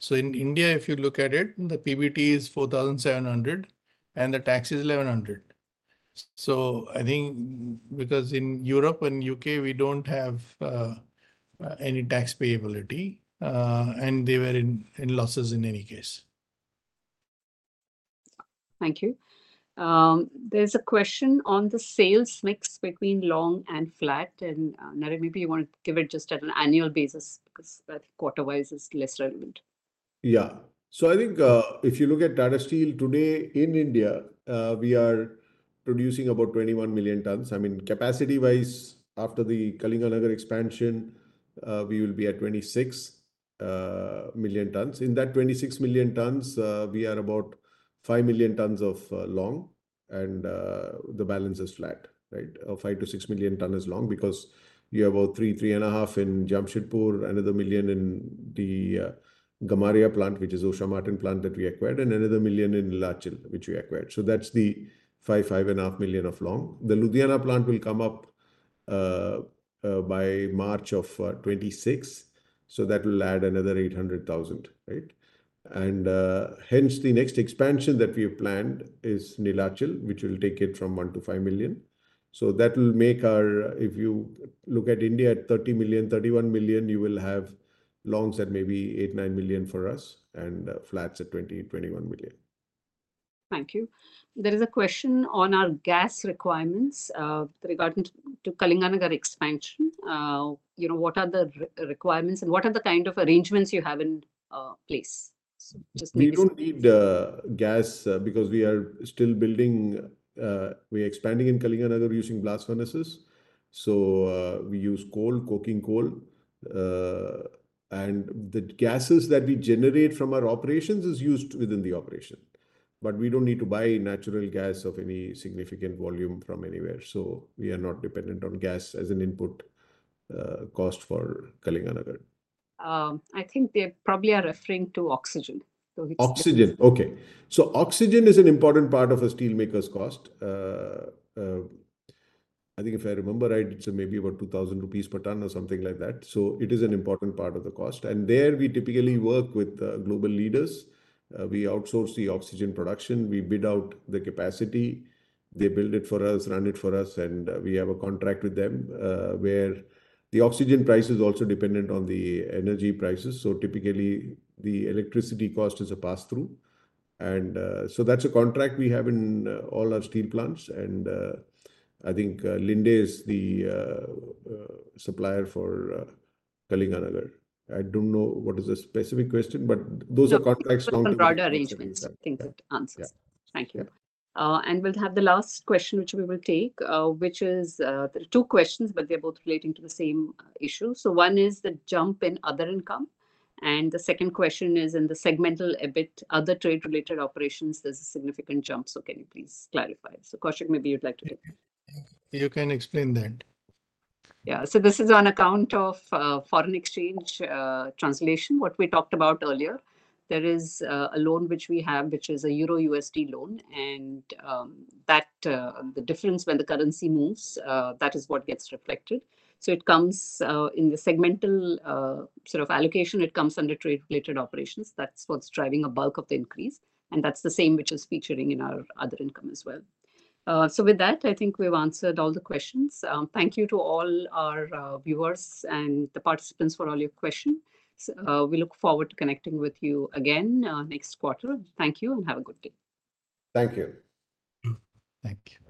So in India, if you look at it, the PBT is 4,700 and the tax is 1,100. So I think because in Europe and the U.K., we don't have any tax payability and they were in losses in any case. Thank you. There's a question on the sales mix between long and flat. Narendran, maybe you want to give it just at an annual basis because I think quarter-wise is less relevant. Yeah. I think if you look at Tata Steel today in India, we are producing about 21 million tons. I mean, capacity-wise, after the Kalinganagar expansion, we will be at 26 million tons. In that 26 million tons, we are about 5 million tons of long. And the balance is flat, right? 5 to 6 million tons is long because you have about 3-3.5 in Jamshedpur, another million in the Gamaria plant, which is Usha Martin plant that we acquired, and another million in Neelachal, which we acquired. That's the 5-5.5 million of long. The Ludhiana plant will come up by March of 2026. That will add another 800,000, right? Hence, the next expansion that we have planned is Neelachal, which will take it from one to 5 million. That will make our, if you look at India at 30 million, 31 million, you will have longs at maybe eight, nine million for us and flats at 20, 21 million. Thank you. There is a question on our gas requirements regarding to Kalinganagar expansion. What are the requirements and what are the kind of arrangements you have in place? We don't need gas because we are still building. We are expanding in Kalinganagar using blast furnaces. We use coal, coking coal. The gases that we generate from our operations are used within the operation. But we don't need to buy natural gas of any significant volume from anywhere. We are not dependent on gas as an input cost for Kalinganagar. I think they probably are referring to oxygen. Oxygen, okay. So oxygen is an important part of a steel maker's cost. I think if I remember right, it's maybe about 2,000 rupees per ton or something like that. So it is an important part of the cost, and there we typically work with global leaders. We outsource the oxygen production. We bid out the capacity. They build it for us, run it for us, and we have a contract with them where the oxygen price is also dependent on the energy prices, so typically, the electricity cost is a pass-through, and so that's a contract we have in all our steel plants, and I think Linde is the supplier for Kalinganagar. I don't know what is the specific question, but those are contracts long-term. Those are broader arrangements. I think that answers. Thank you. We'll have the last question, which we will take, which is there are two questions, but they're both relating to the same issue. One is the jump in other income. The second question is in the segmental EBIT, other trade-related operations, there's a significant jump. Can you please clarify? Koushik, maybe you'd like to take it. You can explain that. Yeah. This is on account of foreign exchange translation, what we talked about earlier. There is a loan which we have, which is a Euro USD loan. The difference when the currency moves, that is what gets reflected. It comes in the segmental sort of allocation. It comes under trade-related operations. That's what's driving a bulk of the increase. That's the same which is featuring in our other income as well. With that, I think we've answered all the questions. Thank you to all our viewers and the participants for all your questions. We look forward to connecting with you again next quarter. Thank you and have a good day. Thank you. Thank you.